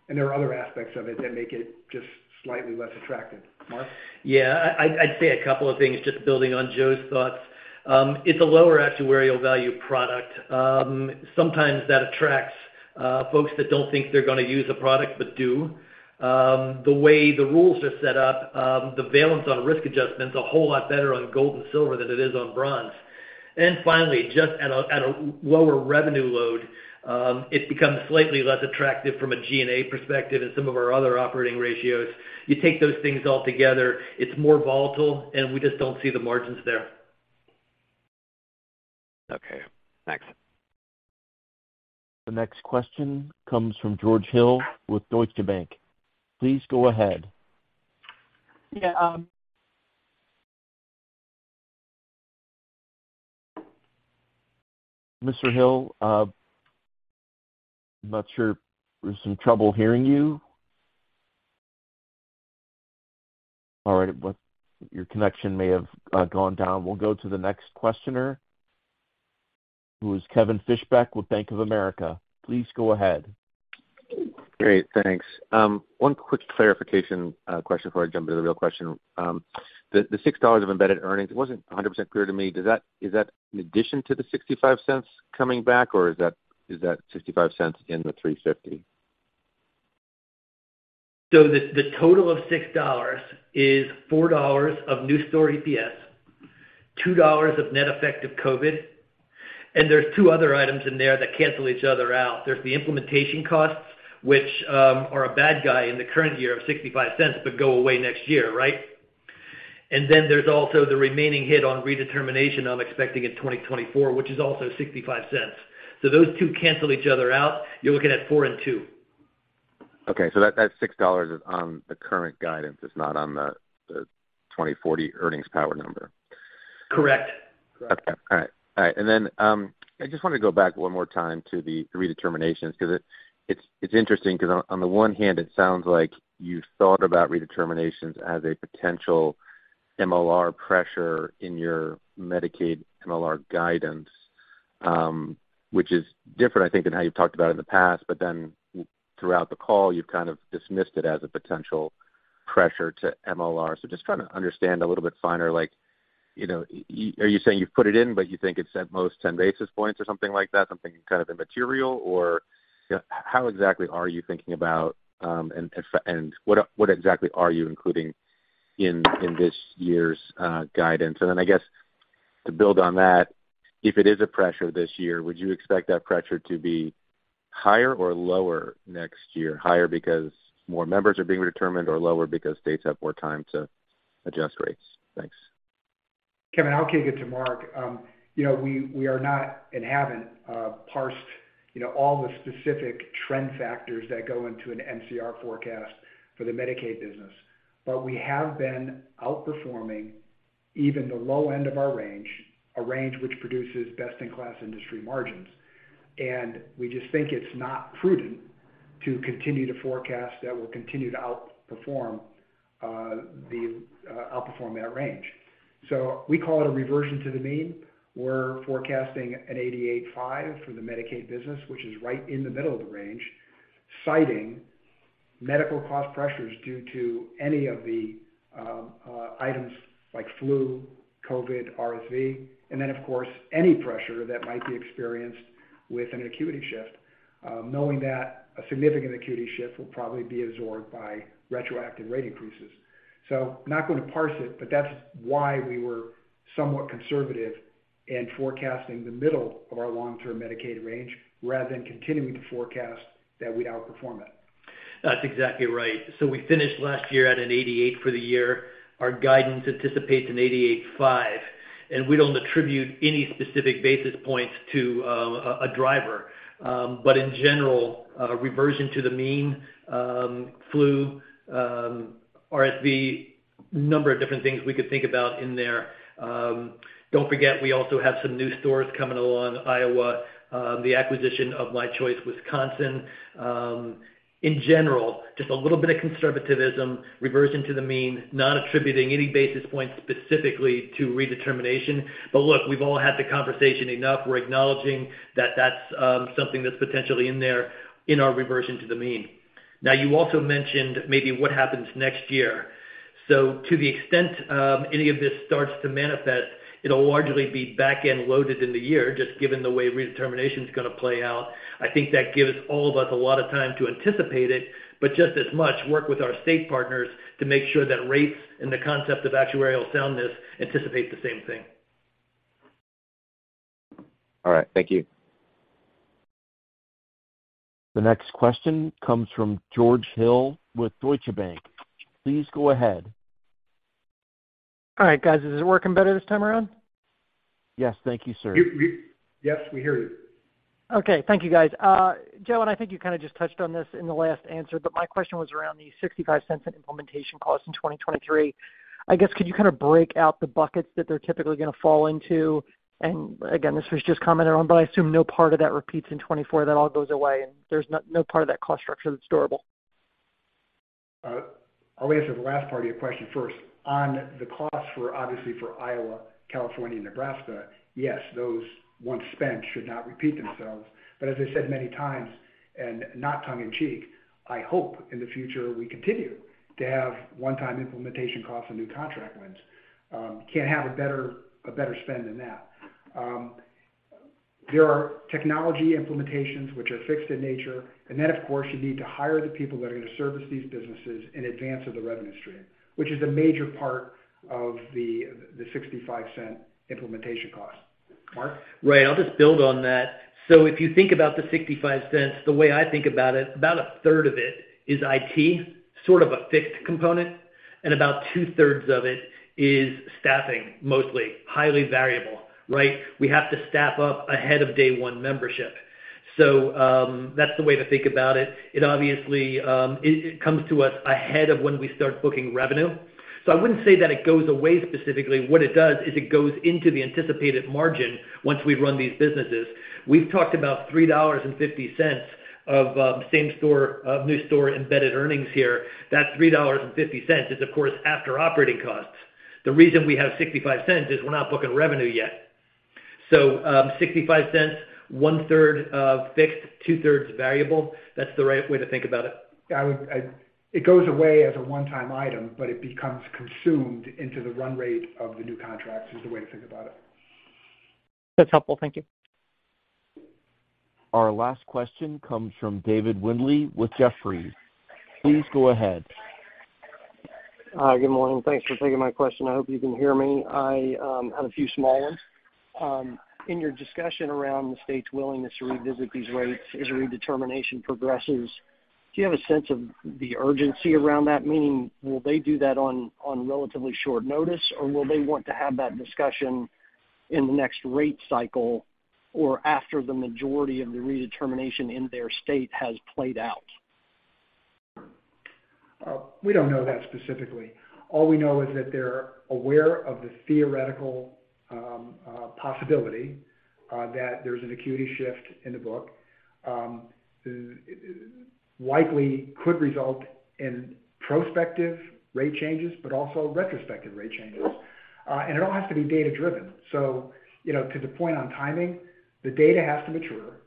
[SPEAKER 3] There are other aspects of it that make it just slightly less attractive. Mark?
[SPEAKER 4] Yeah. I'd say a couple of things just building on Joe's thoughts. It's a lower actuarial value product. Sometimes that attracts folks that don't think they're gonna use a product but do. The way the rules are set up, the valence on risk adjustment's a whole lot better on gold and silver than it is on bronze. Finally, just at a lower revenue load, it becomes slightly less attractive from a G&A perspective and some of our other operating ratios. You take those things all together, it's more volatile, and we just don't see the margins there.
[SPEAKER 16] Okay. Thanks.
[SPEAKER 1] The next question comes from George Hill with Deutsche Bank. Please go ahead.
[SPEAKER 17] Yeah.
[SPEAKER 1] Mr. Hill, I'm not sure. We're having some trouble hearing you. All right. Your connection may have gone down. We'll go to the next questioner, who is Kevin Fischbeck with Bank of America. Please go ahead.
[SPEAKER 18] Great. Thanks. One quick clarification question before I jump into the real question. The $6 of embedded earnings, it wasn't 100% clear to me. Is that in addition to the $0.65 coming back, or is that $0.65 in the $3.50?
[SPEAKER 4] The total of $6 is $4 of new store EPS, $2 of net effect of COVID, and there's two other items in there that cancel each other out. There's the implementation costs, which are a bad guy in the current year of $0.65, but go away next year, right? There's also the remaining hit on redetermination I'm expecting in 2024, which is also $0.65. Those two cancel each other out. You're looking at four and two.
[SPEAKER 18] That $6 is on the current guidance. It's not on the 2040 earnings power number.
[SPEAKER 4] Correct.
[SPEAKER 18] Okay. All right. All right. I just wanted to go back one more time to the redeterminations because it's interesting 'cause on the one hand, it sounds like you thought about redeterminations as a potential MLR pressure in your Medicaid MLR guidance, which is different, I think, than how you've talked about it in the past. Throughout the call, you've kind of dismissed it as a potential pressure to MLR. Just trying to understand a little bit finer, like, you know, are you saying you've put it in, but you think it's at most 10 basis points or something like that, something kind of immaterial? Or how exactly are you thinking about, and what exactly are you including in this year's guidance? I guess to build on that, if it is a pressure this year, would you expect that pressure to be higher or lower next year? Higher because more members are being redetermined or lower because states have more time to adjust rates? Thanks.
[SPEAKER 3] Kevin, I'll kick it to Mark. You know, we are not and haven't parsed, you know, all the specific trend factors that go into an MCR forecast for the Medicaid business. We have been outperforming even the low end of our range, a range which produces best-in-class industry margins. We just think it's not prudent to continue to forecast that we'll continue to outperform that range. We call it a reversion to the mean. We're forecasting an 88.5% for the Medicaid business, which is right in the middle of the range, citing medical cost pressures due to any of the items like flu, COVID, RSV, and then, of course, any pressure that might be experienced with an acuity shift, knowing that a significant acuity shift will probably be absorbed by retroactive rate increases. Not going to parse it, but that's why we were somewhat conservative in forecasting the middle of our long-term Medicaid range rather than continuing to forecast that we'd outperform it.
[SPEAKER 4] That's exactly right. We finished last year at an 88 for the year. Our guidance anticipates an 88.5, and we don't attribute any specific basis points to a driver. In general, reversion to the mean, flu, RSV, number of different things we could think about in there. Don't forget, we also have some new stores coming along, Iowa, the acquisition of My Choice Wisconsin. In general, just a little bit of conservativism, reversion to the mean, not attributing any basis points specifically to redetermination. Look, we've all had the conversation enough. We're acknowledging that that's something that's potentially in there in our reversion to the mean. You also mentioned maybe what happens next year. To the extent any of this starts to manifest, it'll largely be back-end loaded in the year just given the way redetermination is gonna play out. I think that gives all of us a lot of time to anticipate it, but just as much work with our state partners to make sure that rates and the concept of actuarial soundness anticipate the same thing.
[SPEAKER 18] All right. Thank you.
[SPEAKER 1] The next question comes from George Hill with Deutsche Bank. Please go ahead.
[SPEAKER 17] All right. Guys, is it working better this time around?
[SPEAKER 1] Yes. Thank you, sir.
[SPEAKER 3] Yes, we hear you.
[SPEAKER 17] Okay. Thank you, guys. Joe, I think you kinda just touched on this in the last answer, but my question was around the $0.65 in implementation costs in 2023. I guess, could you kind of break out the buckets that they're typically gonna fall into? Again, this was just comment on, but I assume no part of that repeats in 2024. That all goes away, and there's no part of that cost structure that's durable.
[SPEAKER 3] I'll answer the last part of your question first. On the costs for, obviously, for Iowa, California, and Nebraska, yes, those once spent should not repeat themselves. As I said many times, and not tongue in cheek, I hope in the future we continue to have one-time implementation costs on new contract wins. Can't have a better, a better spend than that. There are technology implementations which are fixed in nature, and then of course you need to hire the people that are gonna service these businesses in advance of the revenue stream, which is a major part of the $0.65 implementation cost. Mark?
[SPEAKER 4] Ray, I'll just build on that. If you think about the $0.65, the way I think about it, about a third of it is IT, sort of a fixed component, and about two-thirds of it is staffing, mostly. Highly variable, right? We have to staff up ahead of day one membership. That's the way to think about it. It obviously comes to us ahead of when we start booking revenue. I wouldn't say that it goes away specifically. What it does is it goes into the anticipated margin once we run these businesses. We've talked about $3.50 of new store embedded earnings here. That $3.50 is of course after operating costs. The reason we have $0.65 is we're not booking revenue yet. $0.65, one-third of fixed, two-thirds variable. That's the right way to think about it.
[SPEAKER 3] It goes away as a one-time item, but it becomes consumed into the run rate of the new contracts, is the way to think about it.
[SPEAKER 17] That's helpful. Thank you.
[SPEAKER 1] Our last question comes from David Windley with Jefferies. Please go ahead.
[SPEAKER 19] Hi, good morning. Thanks for taking my question. I hope you can hear me. I have a few small ones. In your discussion around the state's willingness to revisit these rates as redetermination progresses, do you have a sense of the urgency around that? Meaning will they do that on relatively short notice, or will they want to have that discussion in the next rate cycle or after the majority of the redetermination in their state has played out?
[SPEAKER 3] We don't know that specifically. All we know is that they're aware of the theoretical possibility that there's an acuity shift in the book, likely could result in prospective rate changes, but also retrospective rate changes. It all has to be data driven. You know, to the point on timing, the data has to mature,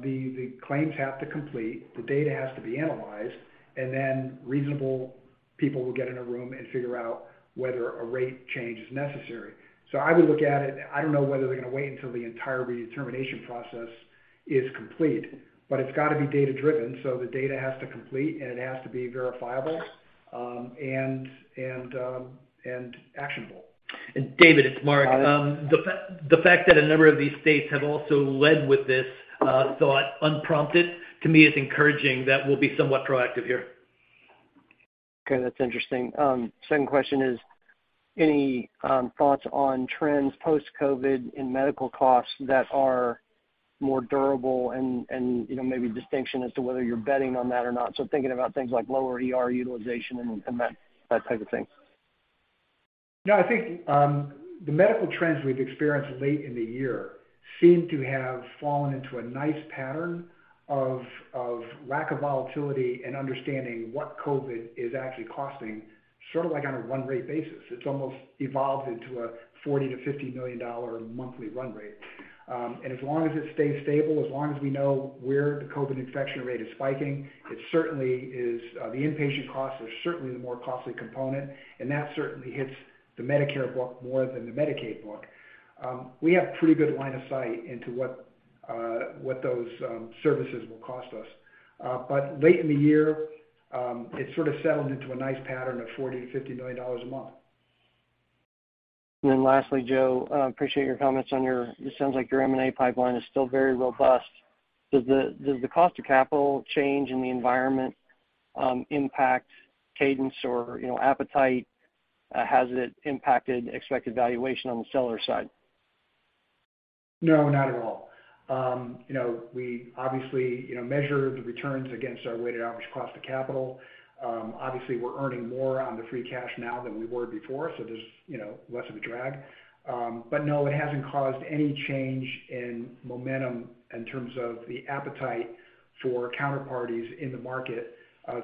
[SPEAKER 3] the claims have to complete, the data has to be analyzed, and then reasonable people will get in a room and figure out whether a rate change is necessary. I would look at it, I don't know whether they're gonna wait until the entire redetermination process is complete, but it's gotta be data driven, so the data has to complete and it has to be verifiable, and actionable.
[SPEAKER 4] David, it's Mark.
[SPEAKER 19] Hi, there.
[SPEAKER 4] The fact that a number of these states have also led with this thought unprompted, to me is encouraging that we'll be somewhat proactive here.
[SPEAKER 19] Okay, that's interesting. Second question is, any thoughts on trends post-COVID in medical costs that are more durable and, you know, maybe distinction as to whether you're betting on that or not? Thinking about things like lower ER utilization and that type of thing.
[SPEAKER 3] I think the medical trends we've experienced late in the year seem to have fallen into a nice pattern of lack of volatility and understanding what COVID is actually costing, sort of like on a run rate basis. It's almost evolved into a $40 million-$50 million monthly run rate. As long as it stays stable, as long as we know where the COVID infection rate is spiking, it certainly is the inpatient costs are certainly the more costly component, and that certainly hits the Medicare book more than the Medicaid book. We have pretty good line of sight into what those services will cost us. Late in the year, it sort of settled into a nice pattern of $40 million-$50 million a month.
[SPEAKER 19] Lastly, Joe, appreciate your comments on your it sounds like your M&A pipeline is still very robust. Does the cost of capital change in the environment, impact cadence or, you know, appetite? Has it impacted expected valuation on the seller side?
[SPEAKER 3] No, not at all. you know, we obviously, you know, measure the returns against our weighted average cost of capital. obviously we're earning more on the free cash now than we were before, so there's, you know, less of a drag. No, it hasn't caused any change in momentum in terms of the appetite for counterparties in the market,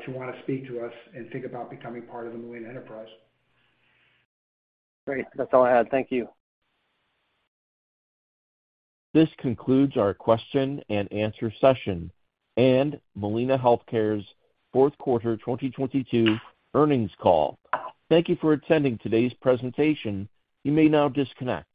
[SPEAKER 3] to wanna speak to us and think about becoming part of the Molina enterprise.
[SPEAKER 19] Great. That's all I had. Thank you.
[SPEAKER 1] This concludes our question and answer session and Molina Healthcare's fourth quarter 2022 earnings call. Thank you for attending today's presentation. You may now disconnect.